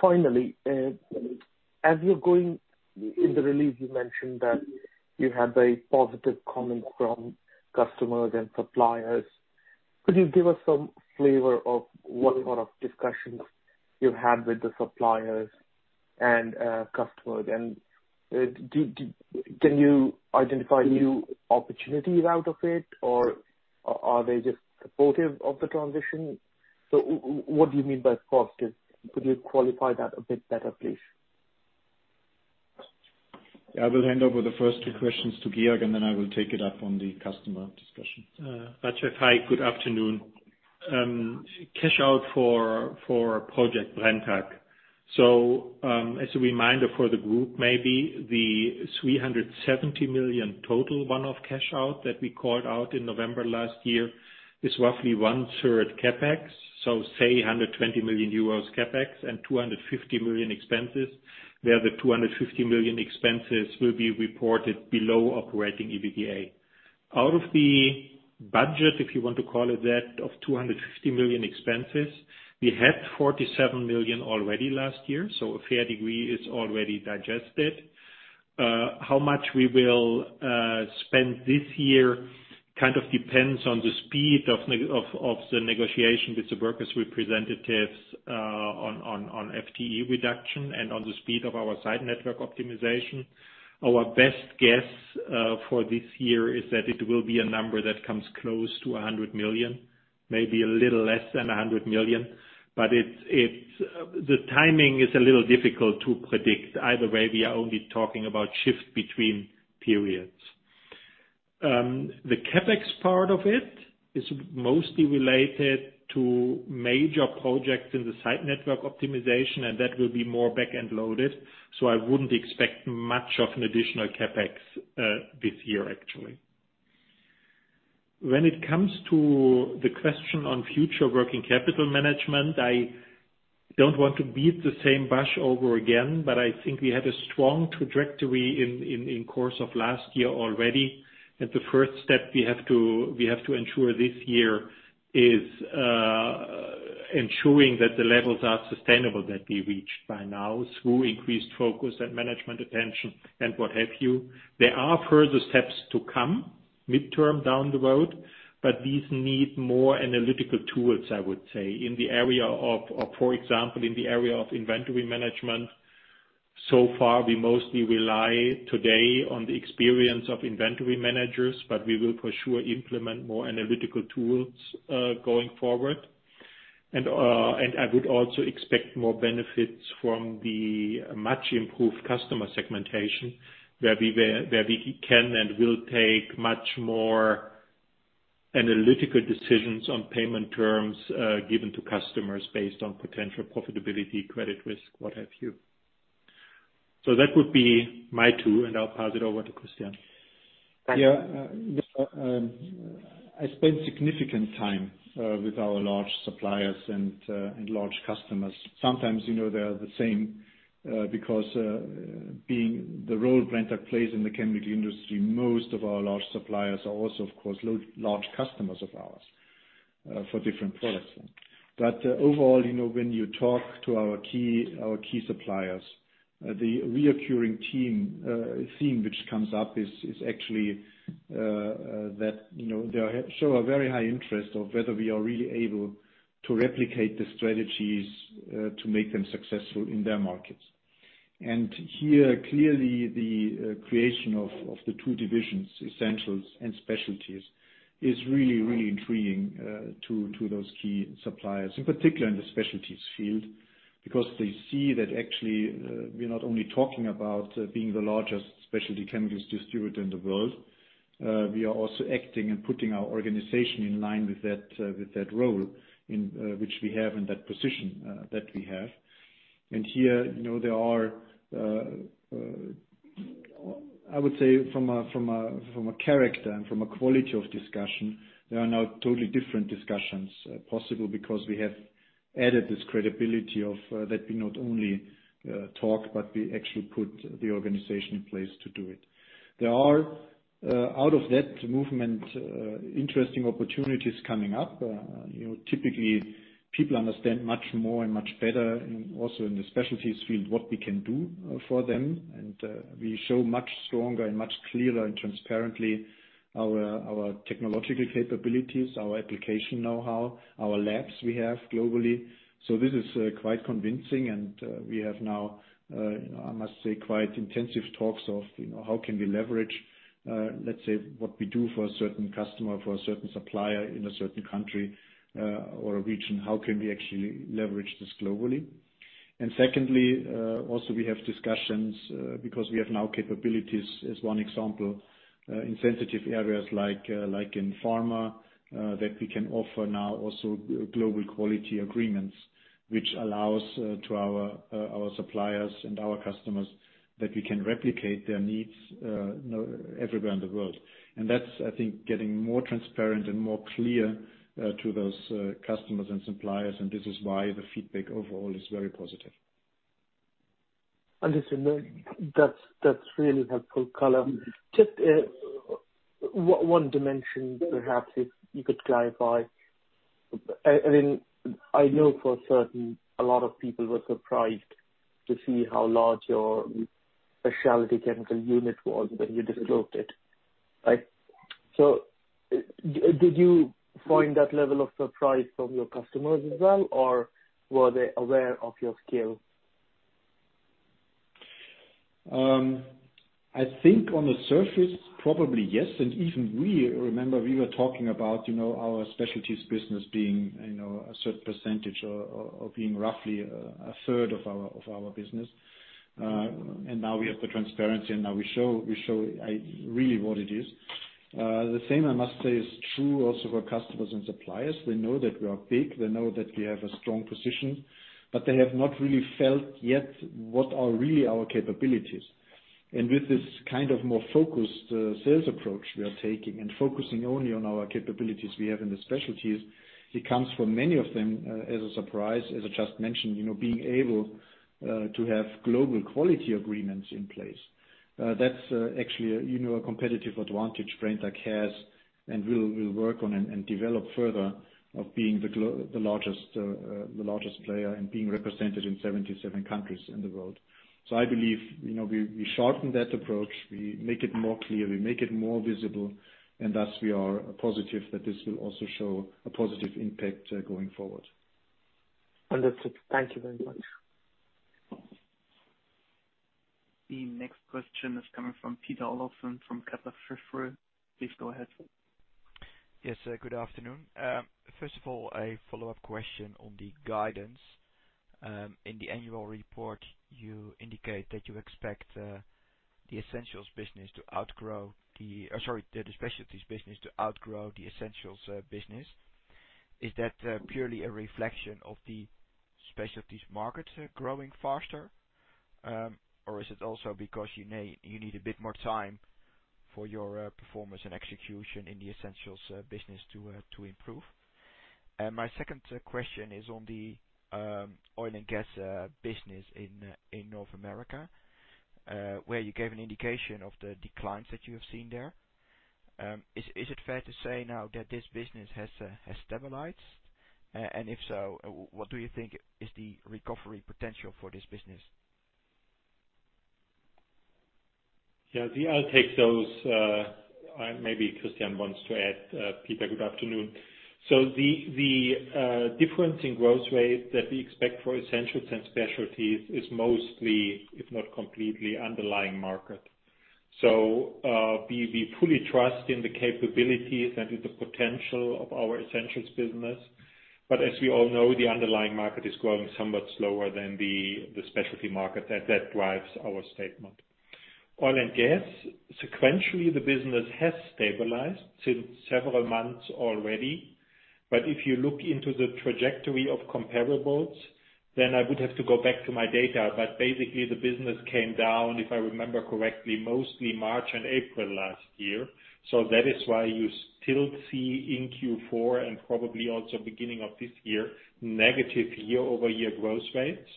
Finally, as you're going in the release, you mentioned that you had very positive comments from customers and suppliers. Could you give us some flavor of what sort of discussions you've had with the suppliers and customers? Can you identify new opportunities out of it, or are they just supportive of the transition? What do you mean by positive? Could you qualify that a bit better, please? I will hand over the first two questions to Georg, and then I will take it up on the customer discussion. Rajesh, hi. Good afternoon. Cash out for Project Brenntag. As a reminder for the group, maybe the 370 million total one-off cash out that we called out in November last year is roughly one-third CapEx. Say 120 million euros CapEx and 250 million expenses, where the 250 million expenses will be reported below operating EBITDA. Out of the budget, if you want to call it that, of 250 million expenses, we had 47 million already last year, so a fair degree is already digested. How much we will spend this year kind of depends on the speed of the negotiation with the workers' representatives, on FTE reduction and on the speed of our site network optimization. Our best guess for this year is that it will be a number that comes close to 100 million, maybe a little less than 100 million. The timing is a little difficult to predict. Either way, we are only talking about shift between periods. The CapEx part of it is mostly related to major projects in the site network optimization, and that will be more back-end loaded, so I wouldn't expect much of an additional CapEx this year, actually. When it comes to the question on future working capital management, I don't want to beat the same bush over again, but I think we had a strong trajectory in course of last year already. The first step we have to ensure this year is ensuring that the levels are sustainable, that we reached by now through increased focus and management attention and what have you. There are further steps to come mid-term down the road, but these need more analytical tools, I would say. For example, in the area of inventory management. So far, we mostly rely today on the experience of inventory managers, but we will for sure implement more analytical tools, going forward. I would also expect more benefits from the much improved customer segmentation, where we can and will take much more analytical decisions on payment terms given to customers based on potential profitability, credit risk, what have you. That would be my two, and I'll pass it over to Christian. Yeah. I spent significant time with our large suppliers and large customers. Sometimes they're the same, because being the role Brenntag plays in the chemical industry, most of our large suppliers are also, of course, large customers of ours for different products. Overall, when you talk to our key suppliers, the recurring theme which comes up is actually that they show a very high interest of whether we are really able to replicate the strategies to make them successful in their markets. Here, clearly the creation of the two divisions, Brenntag Essentials and Brenntag Specialties, is really intriguing to those key suppliers, in particular in the Specialties field, because they see that actually, we're not only talking about being the largest specialty chemicals distributor in the world, we are also acting and putting our organization in line with that role which we have and that position that we have. Here, there are, I would say from a character and from a quality of discussion, there are now totally different discussions possible because we have added this credibility of that we not only talk, but we actually put the organization in place to do it. There are, out of that movement, interesting opportunities coming up. Typically, people understand much more and much better, and also in the Specialties field, what we can do for them. We show much stronger and much clearer and transparently our technological capabilities, our application know-how, our labs we have globally. This is quite convincing, and we have now, I must say, quite intensive talks of how can we leverage, let's say, what we do for a certain customer, for a certain supplier in a certain country or a region, how can we actually leverage this globally? Secondly, also we have discussions because we have now capabilities, as one example, in sensitive areas like in pharma, that we can offer now also global quality agreements, which allows to our suppliers and our customers that we can replicate their needs everywhere in the world. That's, I think, getting more transparent and more clear to those customers and suppliers, and this is why the feedback overall is very positive. Understood. That's really helpful color. Just one dimension, perhaps, if you could clarify. I know for certain a lot of people were surprised to see how large your specialty chemical unit was when you disclosed it. Did you find that level of surprise from your customers as well, or were they aware of your scale? I think on the surface, probably yes. Even we remember we were talking about our Specialties business being a certain percentage or being roughly a third of our business. Now we have the transparency and now we show really what it is. The same, I must say, is true also for customers and suppliers. They know that we are big, they know that we have a strong position, but they have not really felt yet what are really our capabilities. With this more focused sales approach we are taking and focusing only on our capabilities we have in the Specialties, it comes for many of them as a surprise, as I just mentioned, being able to have global quality agreements in place. That's actually a competitive advantage Brenntag has and we'll work on and develop further of being the largest player and being represented in 77 countries in the world. I believe we sharpen that approach, we make it more clear, we make it more visible, and thus we are positive that this will also show a positive impact going forward. Understood. Thank you very much. The next question is coming from Peter Olofsen from Kepler Cheuvreux. Please go ahead. Yes, good afternoon. First of all, a follow-up question on the guidance. In the annual report, you indicate that you expect the Specialties business to outgrow the Essentials business. Is that purely a reflection of the Specialties markets growing faster? Is it also because you need a bit more time for your performance and execution in the Essentials business to improve? My second question is on the oil and gas business in North America, where you gave an indication of the declines that you have seen there. Is it fair to say now that this business has stabilized? If so, what do you think is the recovery potential for this business? Yeah. I'll take those. Maybe Christian wants to add. Peter, good afternoon. The difference in growth rate that we expect for Essentials and Specialties is mostly, if not completely, underlying market. We fully trust in the capabilities and in the potential of our Essentials business. As we all know, the underlying market is growing somewhat slower than the Specialties market that drives our statement. Oil and gas, sequentially, the business has stabilized since several months already. If you look into the trajectory of comparables, then I would have to go back to my data. Basically, the business came down, if I remember correctly, mostly March and April last year. That is why you still see in Q4 and probably also beginning of this year, negative year-over-year growth rates.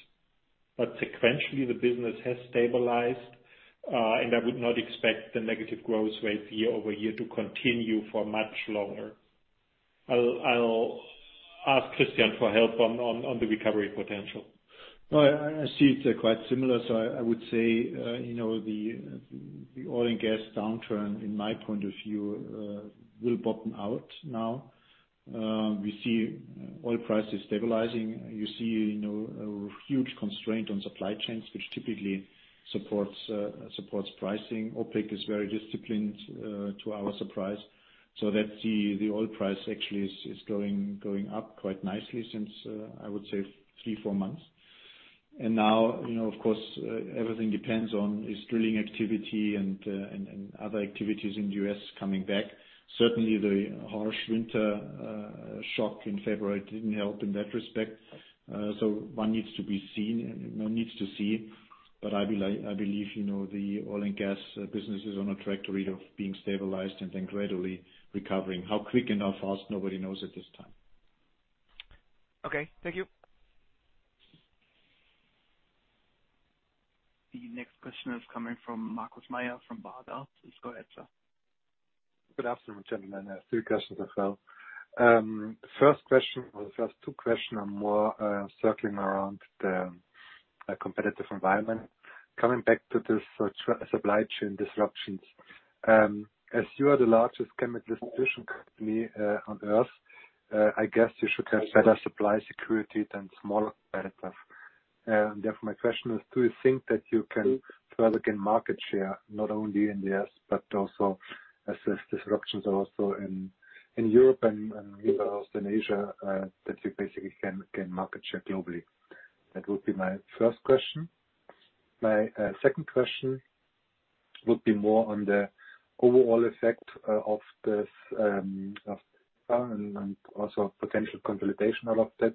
Sequentially, the business has stabilized, and I would not expect the negative growth rates year-over-year to continue for much longer. I'll ask Christian for help on the recovery potential. No, I see it quite similar. I would say, the oil and gas downturn, in my point of view, will bottom out now. We see oil prices stabilizing. You see a huge constraint on supply chains, which typically supports pricing. OPEC is very disciplined to our surprise. That the oil price actually is going up quite nicely since, I would say three, four months. Now, of course, everything depends on, is drilling activity and other activities in the U.S. coming back. Certainly, the harsh winter shock in February didn't help in that respect. One needs to see. I believe, the oil and gas business is on a trajectory of being stabilized and then gradually recovering. How quick and how fast, nobody knows at this time. Okay. Thank you. The next question is coming from Markus Mayer from Baader. Please go ahead, sir. Good afternoon, gentlemen. I have three questions as well. First question or the first two question are more circling around the competitive environment. Coming back to this supply chain disruptions. As you are the largest chemical distribution company on Earth, I guess you should have better supply security than smaller competitors. Therefore, my question is, do you think that you can further gain market share not only in the U.S., but also as these disruptions are also in Europe and elsewhere in Asia, that you basically can gain market share globally? That would be my first question. My second question would be more on the overall effect of this, and also potential consolidation out of that.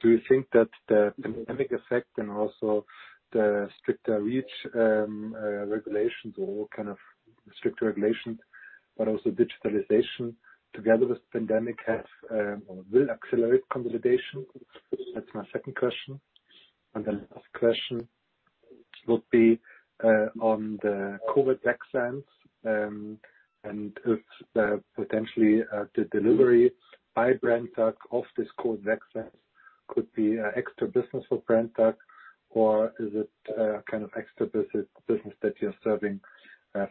Do you think that the pandemic effect and also the stricter EU REACH regulations or what kind of strict regulations, but also digitalization together with pandemic have or will accelerate consolidation? That's my second question. The last question would be, on the COVID vaccines, and if potentially, the delivery by Brenntag of this COVID vaccine could be a extra business for Brenntag, or is it a kind of extra business that you're serving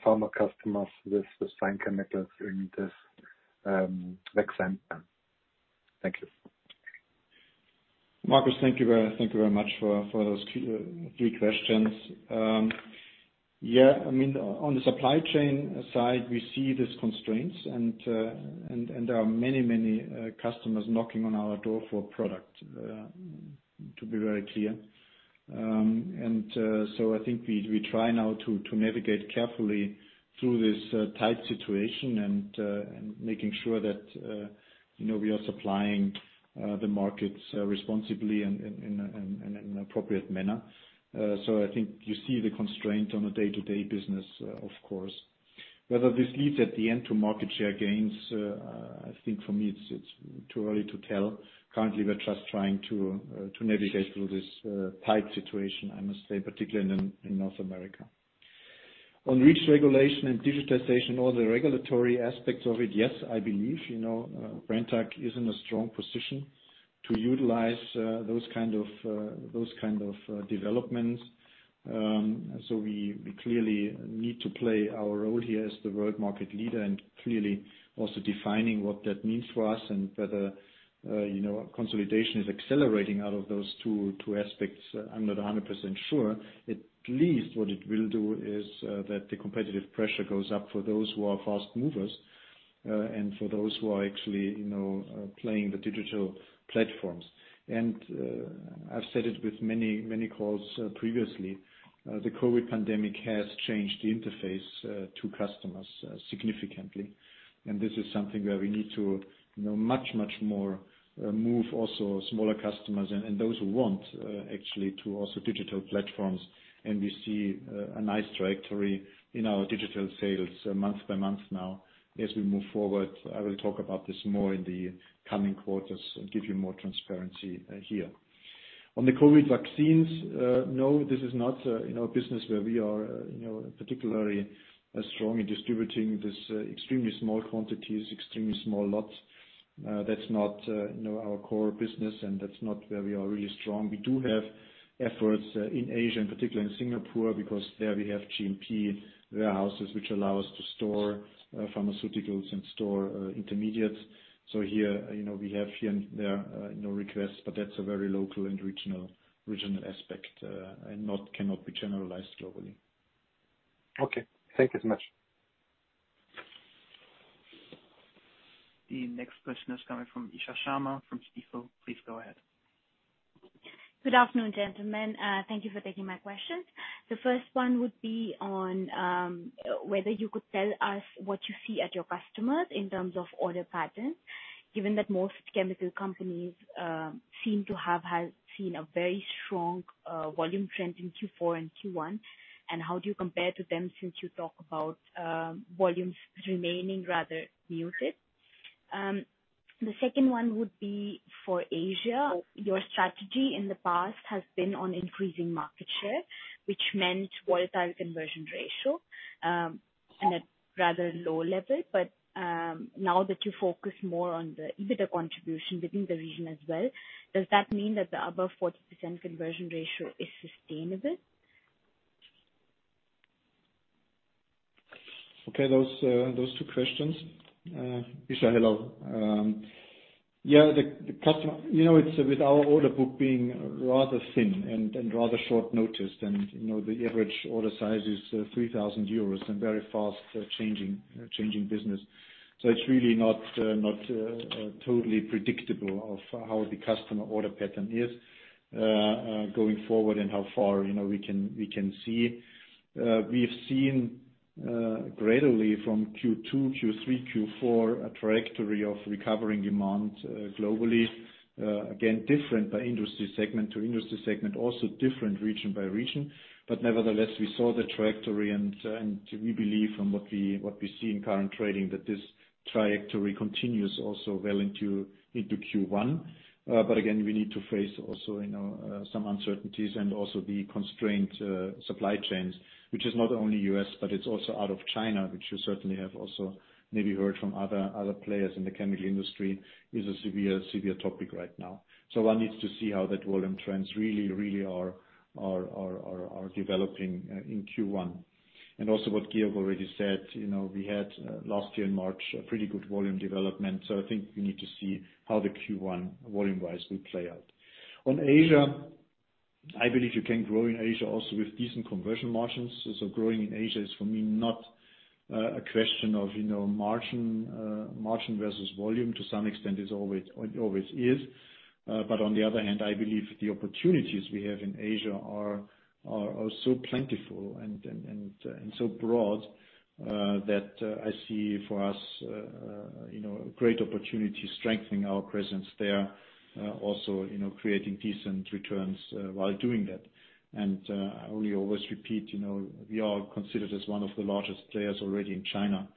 pharma customers with fine chemicals during this vaccine time? Thank you. Markus, thank you very much for those three questions. Yeah. On the supply chain side, we see these constraints and there are many customers knocking on our door for product, to be very clear. I think we try now to navigate carefully through this tight situation and making sure that we are supplying the markets responsibly and in an appropriate manner. I think you see the constraint on a day-to-day business, of course. Whether this leads at the end to market share gains, I think for me, it's too early to tell. Currently, we're just trying to navigate through this tight situation, I must say, particularly in North America. On EU REACH regulation and digitization, all the regulatory aspects of it, yes, I believe, Brenntag is in a strong position to utilize those kind of developments. We clearly need to play our role here as the world market leader and clearly also defining what that means for us and whether consolidation is accelerating out of those two aspects. I'm not 100% sure. At least what it will do is that the competitive pressure goes up for those who are fast movers, and for those who are actually playing the digital platforms. I've said it with many calls previously. The COVID pandemic has changed the interface to customers significantly. This is something where we need to know much more, move also smaller customers and those who want actually to also digital platforms. We see a nice trajectory in our digital sales month by month now. As we move forward, I will talk about this more in the coming quarters and give you more transparency here. On the COVID vaccines, no, this is not a business where we are particularly strong in distributing this extremely small quantities, extremely small lots. That's not our core business and that's not where we are really strong. We do have efforts in Asia, in particular in Singapore, because there we have GMP warehouses which allow us to store pharmaceuticals and store intermediates. Here, we have here and there requests, but that's a very local and regional aspect, and cannot be generalized globally. Okay. Thank you so much. The next question is coming from Isha Sharma from Stifel. Please go ahead. Good afternoon, gentlemen. Thank you for taking my questions. The first one would be on whether you could tell us what you see at your customers in terms of order patterns, given that most chemical companies seem to have seen a very strong volume trend in Q4 and Q1, and how do you compare to them since you talk about volumes remaining rather muted? The second one would be for Asia. Your strategy in the past has been on increasing market share, which meant volatile conversion ratio and at rather low level. Now that you focus more on the EBITDA contribution within the region as well, does that mean that the above 40% conversion ratio is sustainable? Okay. Those two questions. Isha, hello. With our order book being rather thin and rather short noticed, and the average order size is 3,000 euros and very fast changing business. It's really not totally predictable of how the customer order pattern is, going forward and how far we can see. We have seen gradually from Q2, Q3, Q4, a trajectory of recovering demand globally. Again, different by industry segment to industry segment, also different region by region. Nevertheless, we saw the trajectory and we believe from what we see in current trading, that this trajectory continues also well into Q1. Again, we need to face also some uncertainties and also the constrained supply chains, which is not only U.S., but it's also out of China, which you certainly have also maybe heard from other players in the chemical industry, is a severe topic right now. One needs to see how that volume trends really are developing in Q1. Also what Georg already said, we had last year in March, a pretty good volume development. I think we need to see how the Q1 volume-wise will play out. On Asia, I believe you can grow in Asia also with decent conversion margins. Growing in Asia is for me, not a question of margin versus volume to some extent it always is. On the other hand, I believe the opportunities we have in Asia are also plentiful and so broad, that I see for us great opportunity strengthening our presence there, also creating decent returns while doing that. I only always repeat, we are considered as one of the largest players already in China.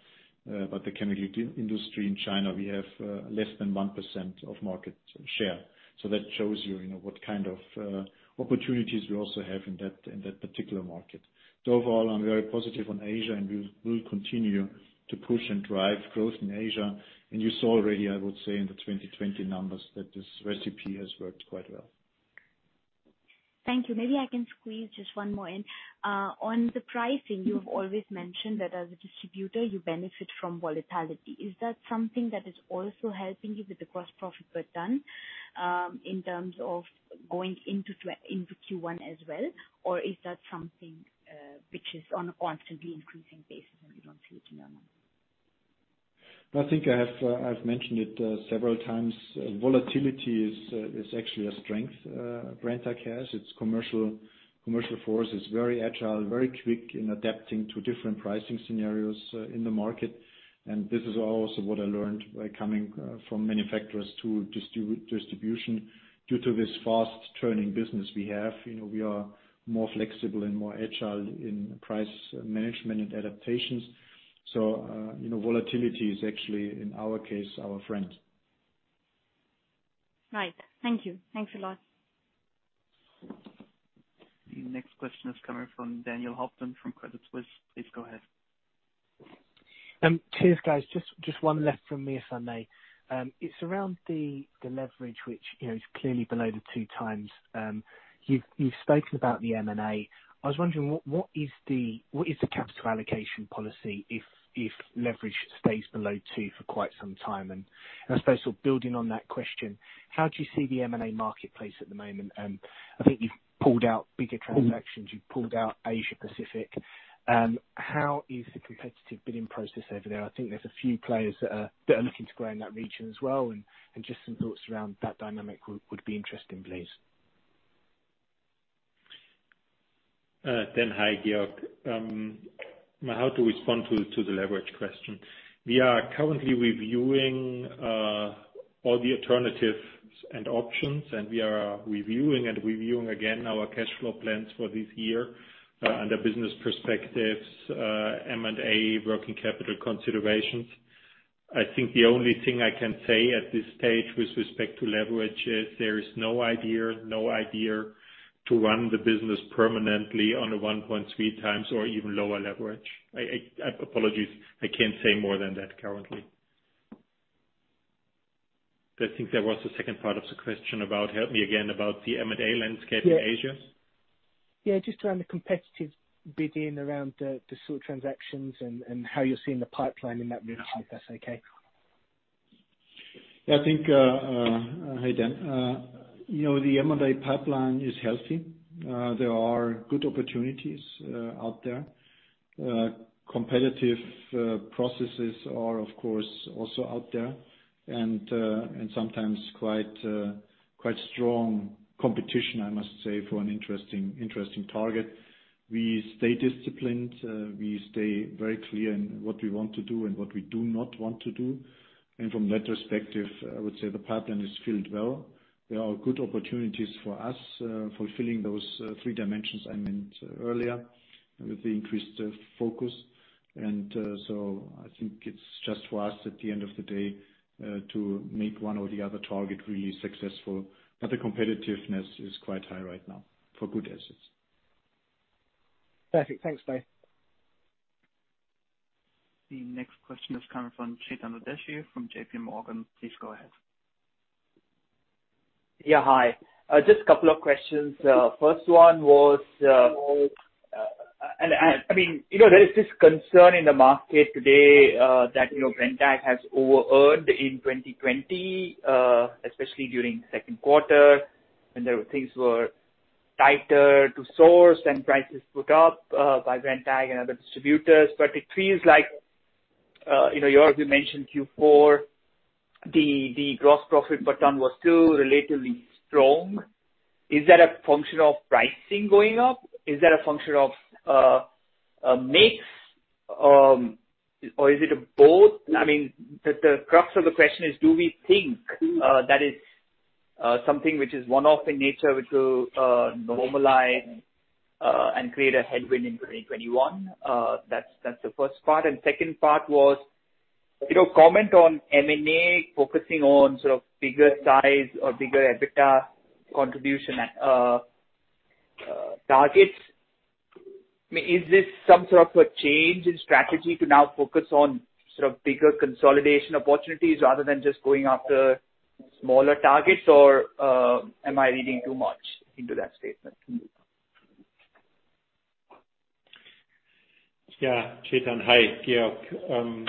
The chemical industry in China, we have less than 1% of market share. That shows you what kind of opportunities we also have in that particular market. Overall, I am very positive on Asia, and we will continue to push and drive growth in Asia. You saw already, I would say, in the 2020 numbers, that this recipe has worked quite well. Thank you. Maybe I can squeeze just one more in. On the pricing, you have always mentioned that as a distributor, you benefit from volatility. Is that something that is also helping you with the gross profit return, in terms of going into Q1 as well? Is that something which is on a constantly increasing basis and we don't see it anymore? I think I've mentioned it several times. Volatility is actually a strength Brenntag has. Its commercial force is very agile, very quick in adapting to different pricing scenarios in the market. This is also what I learned by coming from manufacturers to distribution. Due to this fast-turning business we have, we are more flexible and more agile in price management and adaptations. Volatility is actually, in our case, our friend. Right. Thank you. Thanks a lot. The next question is coming from Daniel Hobden from Credit Suisse. Please go ahead. Cheers, guys. Just one left from me, if I may. It's around the leverage, which is clearly below the 2x. You've spoken about the M&A. I was wondering, what is the capital allocation policy if leverage stays below 2x for quite some time? I suppose building on that question, how do you see the M&A marketplace at the moment? I think you've pulled out bigger transactions, you've pulled out Asia Pacific. How is the competitive bidding process over there? I think there's a few players that are looking to grow in that region as well, and just some thoughts around that dynamic would be interesting, please. Dan, hi. Georg. How to respond to the leverage question. We are currently reviewing all the alternatives and options, and we are reviewing and reviewing again our cash flow plans for this year, under business perspectives, M&A working capital considerations. I think the only thing I can say at this stage with respect to leverage is there is no idea to run the business permanently on a 1.3x or even lower leverage. Apologies, I can't say more than that currently. I think there was a second part of the question about, help me again, about the M&A landscape in Asia. Yeah, just around the competitive bidding around the sort of transactions and how you're seeing the pipeline in that region, if that's okay? I think, hi Daniel. The M&A pipeline is healthy. There are good opportunities out there. Competitive processes are, of course, also out there and sometimes quite strong competition, I must say, for an interesting target. We stay disciplined. We stay very clear in what we want to do and what we do not want to do. From that perspective, I would say the pipeline is filled well. There are good opportunities for us fulfilling those three dimensions I meant earlier with the increased focus. I think it's just for us at the end of the day to make one or the other target really successful. The competitiveness is quite high right now for good assets. Perfect. Thanks, both. The next question is coming from Chetan Udeshi from JPMorgan. Please go ahead. Yeah, hi. Just a couple of questions. First one was, there is this concern in the market today that, Brenntag has over-earned in 2020, especially during second quarter when the things were tighter to source and prices put up by Brenntag and other distributors. It feels like, you already mentioned Q4, the gross profit per ton was still relatively strong. Is that a function of pricing going up? Is that a function of mix? Is it both? The crux of the question is, do we think that is something which is one-off in nature, which will normalize and create a headwind in 2021? That's the first part. Second part was, comment on M&A focusing on sort of bigger size or bigger EBITDA contribution targets. Is this some sort of a change in strategy to now focus on sort of bigger consolidation opportunities rather than just going after smaller targets? Am I reading too much into that statement? Yeah. Chetan, hi. Georg.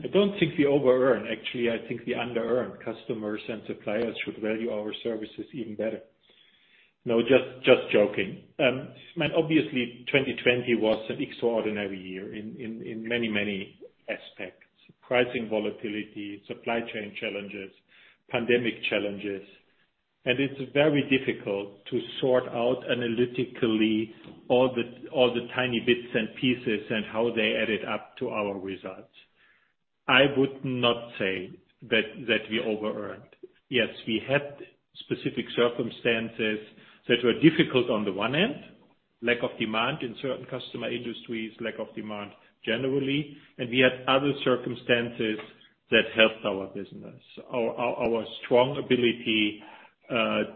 I don't think we over-earn. Actually, I think we under-earn. Customers and suppliers should value our services even better. No, just joking. Obviously, 2020 was an extraordinary year in many aspects. Pricing volatility, supply chain challenges, pandemic challenges. It's very difficult to sort out analytically all the tiny bits and pieces and how they added up to our results. I would not say that we over-earned. Yes, we had specific circumstances that were difficult on the one end, lack of demand in certain customer industries, lack of demand generally, and we had other circumstances that helped our business. Our strong ability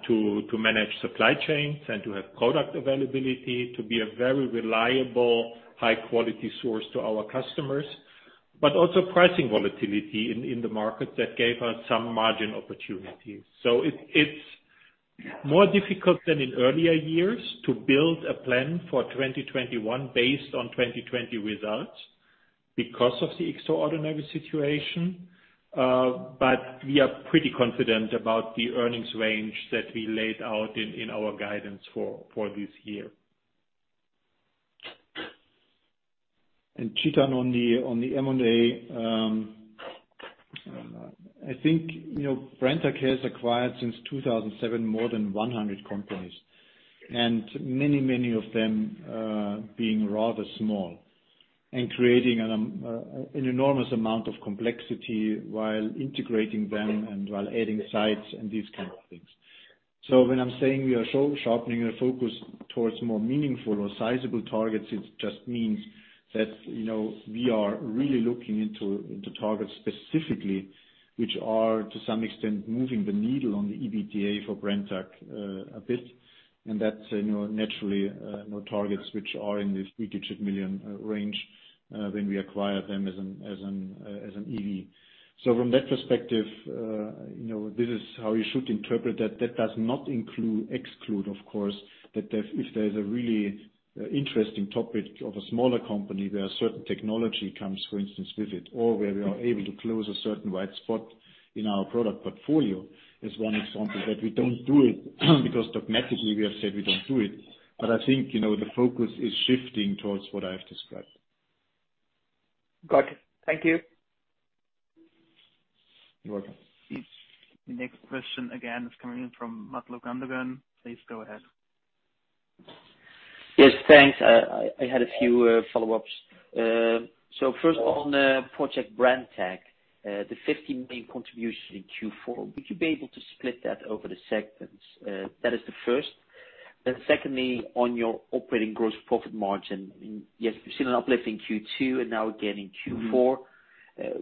to manage supply chains and to have product availability, to be a very reliable, high-quality source to our customers, but also pricing volatility in the market that gave us some margin opportunities. It's more difficult than in earlier years to build a plan for 2021 based on 2020 results because of the extraordinary situation. We are pretty confident about the earnings range that we laid out in our guidance for this year. Chetan, on the M&A, I think Brenntag has acquired since 2007 more than 100 companies, and many of them being rather small and creating an enormous amount of complexity while integrating them and while adding sites and these kind of things. When I'm saying we are sharpening our focus towards more meaningful or sizable targets, it just means that we are really looking into targets specifically which are to some extent moving the needle on the EBITDA for Brenntag a bit. That's naturally more targets which are in the three-digit million range when we acquire them as an EV. From that perspective, this is how you should interpret that. That does not exclude, of course, that if there's a really interesting topic of a smaller company where a certain technology comes, for instance, with it, or where we are able to close a certain wide spot in our product portfolio is one example that we don't do it because dogmatically we have said we don't do it. I think, the focus is shifting towards what I have described. Got it. Thank you. You're welcome. The next question again is coming in from Mutlu Gundogan. Please go ahead. Yes, thanks. I had a few follow-ups. First on Project Brenntag, the 15 million contribution in Q4, would you be able to split that over the segments? That is the first. Secondly, on your operating gross profit margin, yes, we've seen an uplift in Q2 and now again in Q4.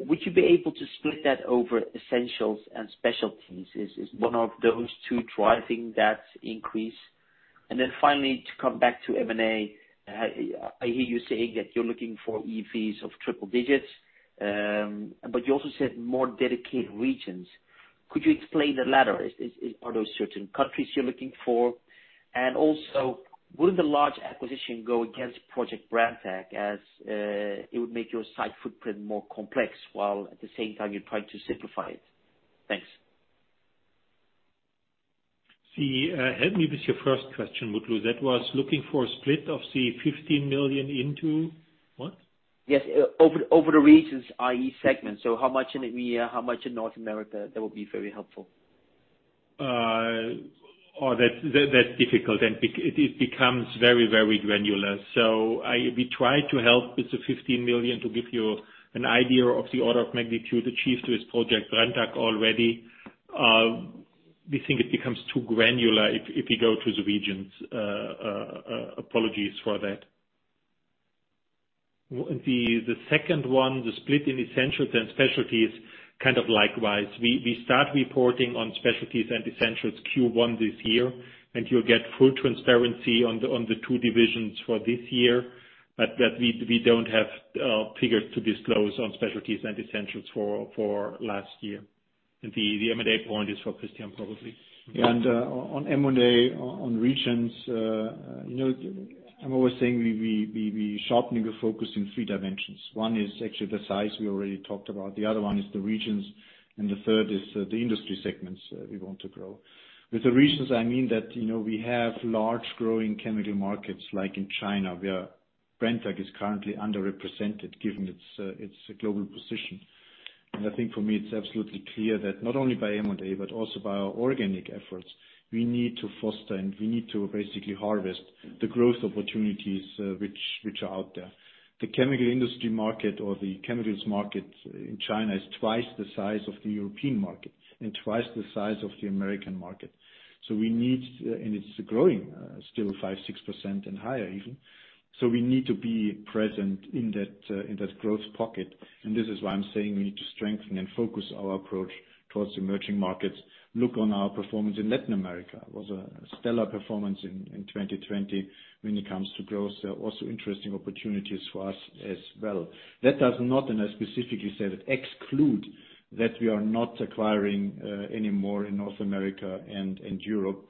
Would you be able to split that over Essentials and Specialties? Is one of those two driving that increase? Finally, to come back to M&A, I hear you saying that you're looking for EVs of triple digits, but you also said more dedicated regions. Could you explain the latter? Is part of certain countries you're looking for? Also, will the large acquisition go against Project Brenntag as it would make your site footprint more complex while at the same time you're trying to simplify it? Thanks. See, help me with your first question, Mutlu Gundogan. That was looking for a split of the 15 million into what? Yes. Over the regions, i.e., segments. How much in EMEA, how much in North America, that would be very helpful. Oh, that's difficult, and it becomes very granular. We try to help with the 15 million to give you an idea of the order of magnitude achieved with Project Brenntag already. We think it becomes too granular if we go to the regions. Apologies for that. The second one, the split in Essentials and Specialties, kind of likewise. We start reporting on Specialties and Essentials Q1 this year, and you'll get full transparency on the two divisions for this year. We don't have figures to disclose on Specialties and Essentials for last year. The M&A point is for Christian, probably. On M&A on regions, I'm always saying we sharpening the focus in three dimensions. One is actually the size we already talked about, the other one is the regions, and the third is the industry segments we want to grow. With the regions, I mean that we have large growing chemical markets like in China, where Brenntag is currently underrepresented given its global position. I think for me, it's absolutely clear that not only by M&A but also by our organic efforts, we need to foster and we need to basically harvest the growth opportunities which are out there. The chemical industry market or the chemicals market in China is twice the size of the European market and twice the size of the American market. It's growing, still 5%, 6% and higher even. We need to be present in that growth pocket. This is why I'm saying we need to strengthen and focus our approach towards emerging markets. Look on our performance in Latin America. It was a stellar performance in 2020 when it comes to growth. Also interesting opportunities for us as well. That does not, and I specifically say that, exclude that we are not acquiring anymore in North America and Europe.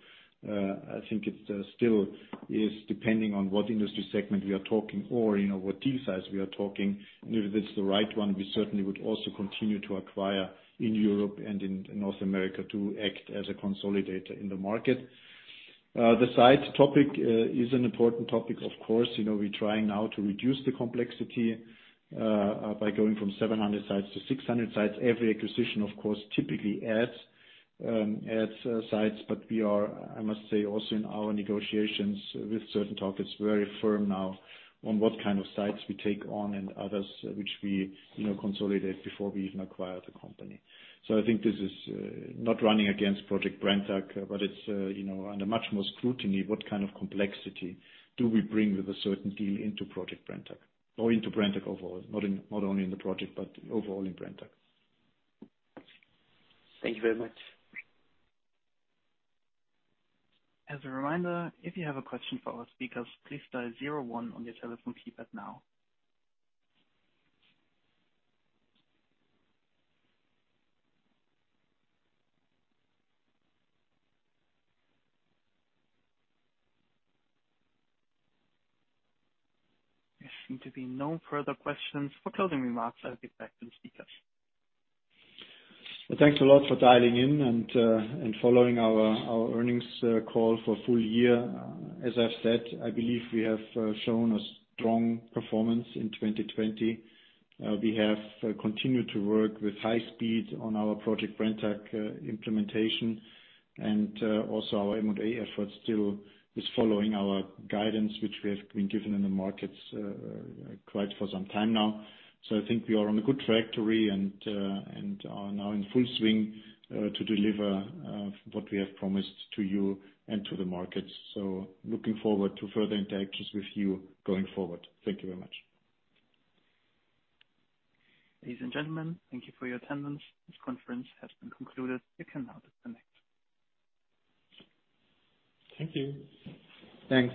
I think it still is depending on what industry segment we are talking or what deal size we are talking. If it's the right one, we certainly would also continue to acquire in Europe and in North America to act as a consolidator in the market. The site topic is an important topic of course. We're trying now to reduce the complexity by going from 700 sites to 600 sites. Every acquisition, of course, typically adds sites. We are, I must say, also in our negotiations with certain targets, very firm now on what kind of sites we take on and others which we consolidate before we even acquire the company. I think this is not running against Project Brenntag, but it's under much more scrutiny what kind of complexity do we bring with a certain deal into Project Brenntag or into Brenntag overall, not only in the project but overall in Brenntag. Thank you very much. As a reminder, if you have a question for our speakers, please dial zero one on your telephone keypad now. There seem to be no further questions. For closing remarks, I'll get back to the speakers. Thanks a lot for dialing in and following our earnings call for full year. As I've said, I believe we have shown a strong performance in 2020. We have continued to work with high speed on our Project Brenntag implementation. Also our M&A effort still is following our guidance, which we have been given in the markets quite for some time now. I think we are on a good trajectory and are now in full swing to deliver what we have promised to you and to the markets. Looking forward to further interactions with you going forward. Thank you very much. Ladies and gentlemen, thank you for your attendance. This conference has been concluded. You can now disconnect. Thank you. Thanks.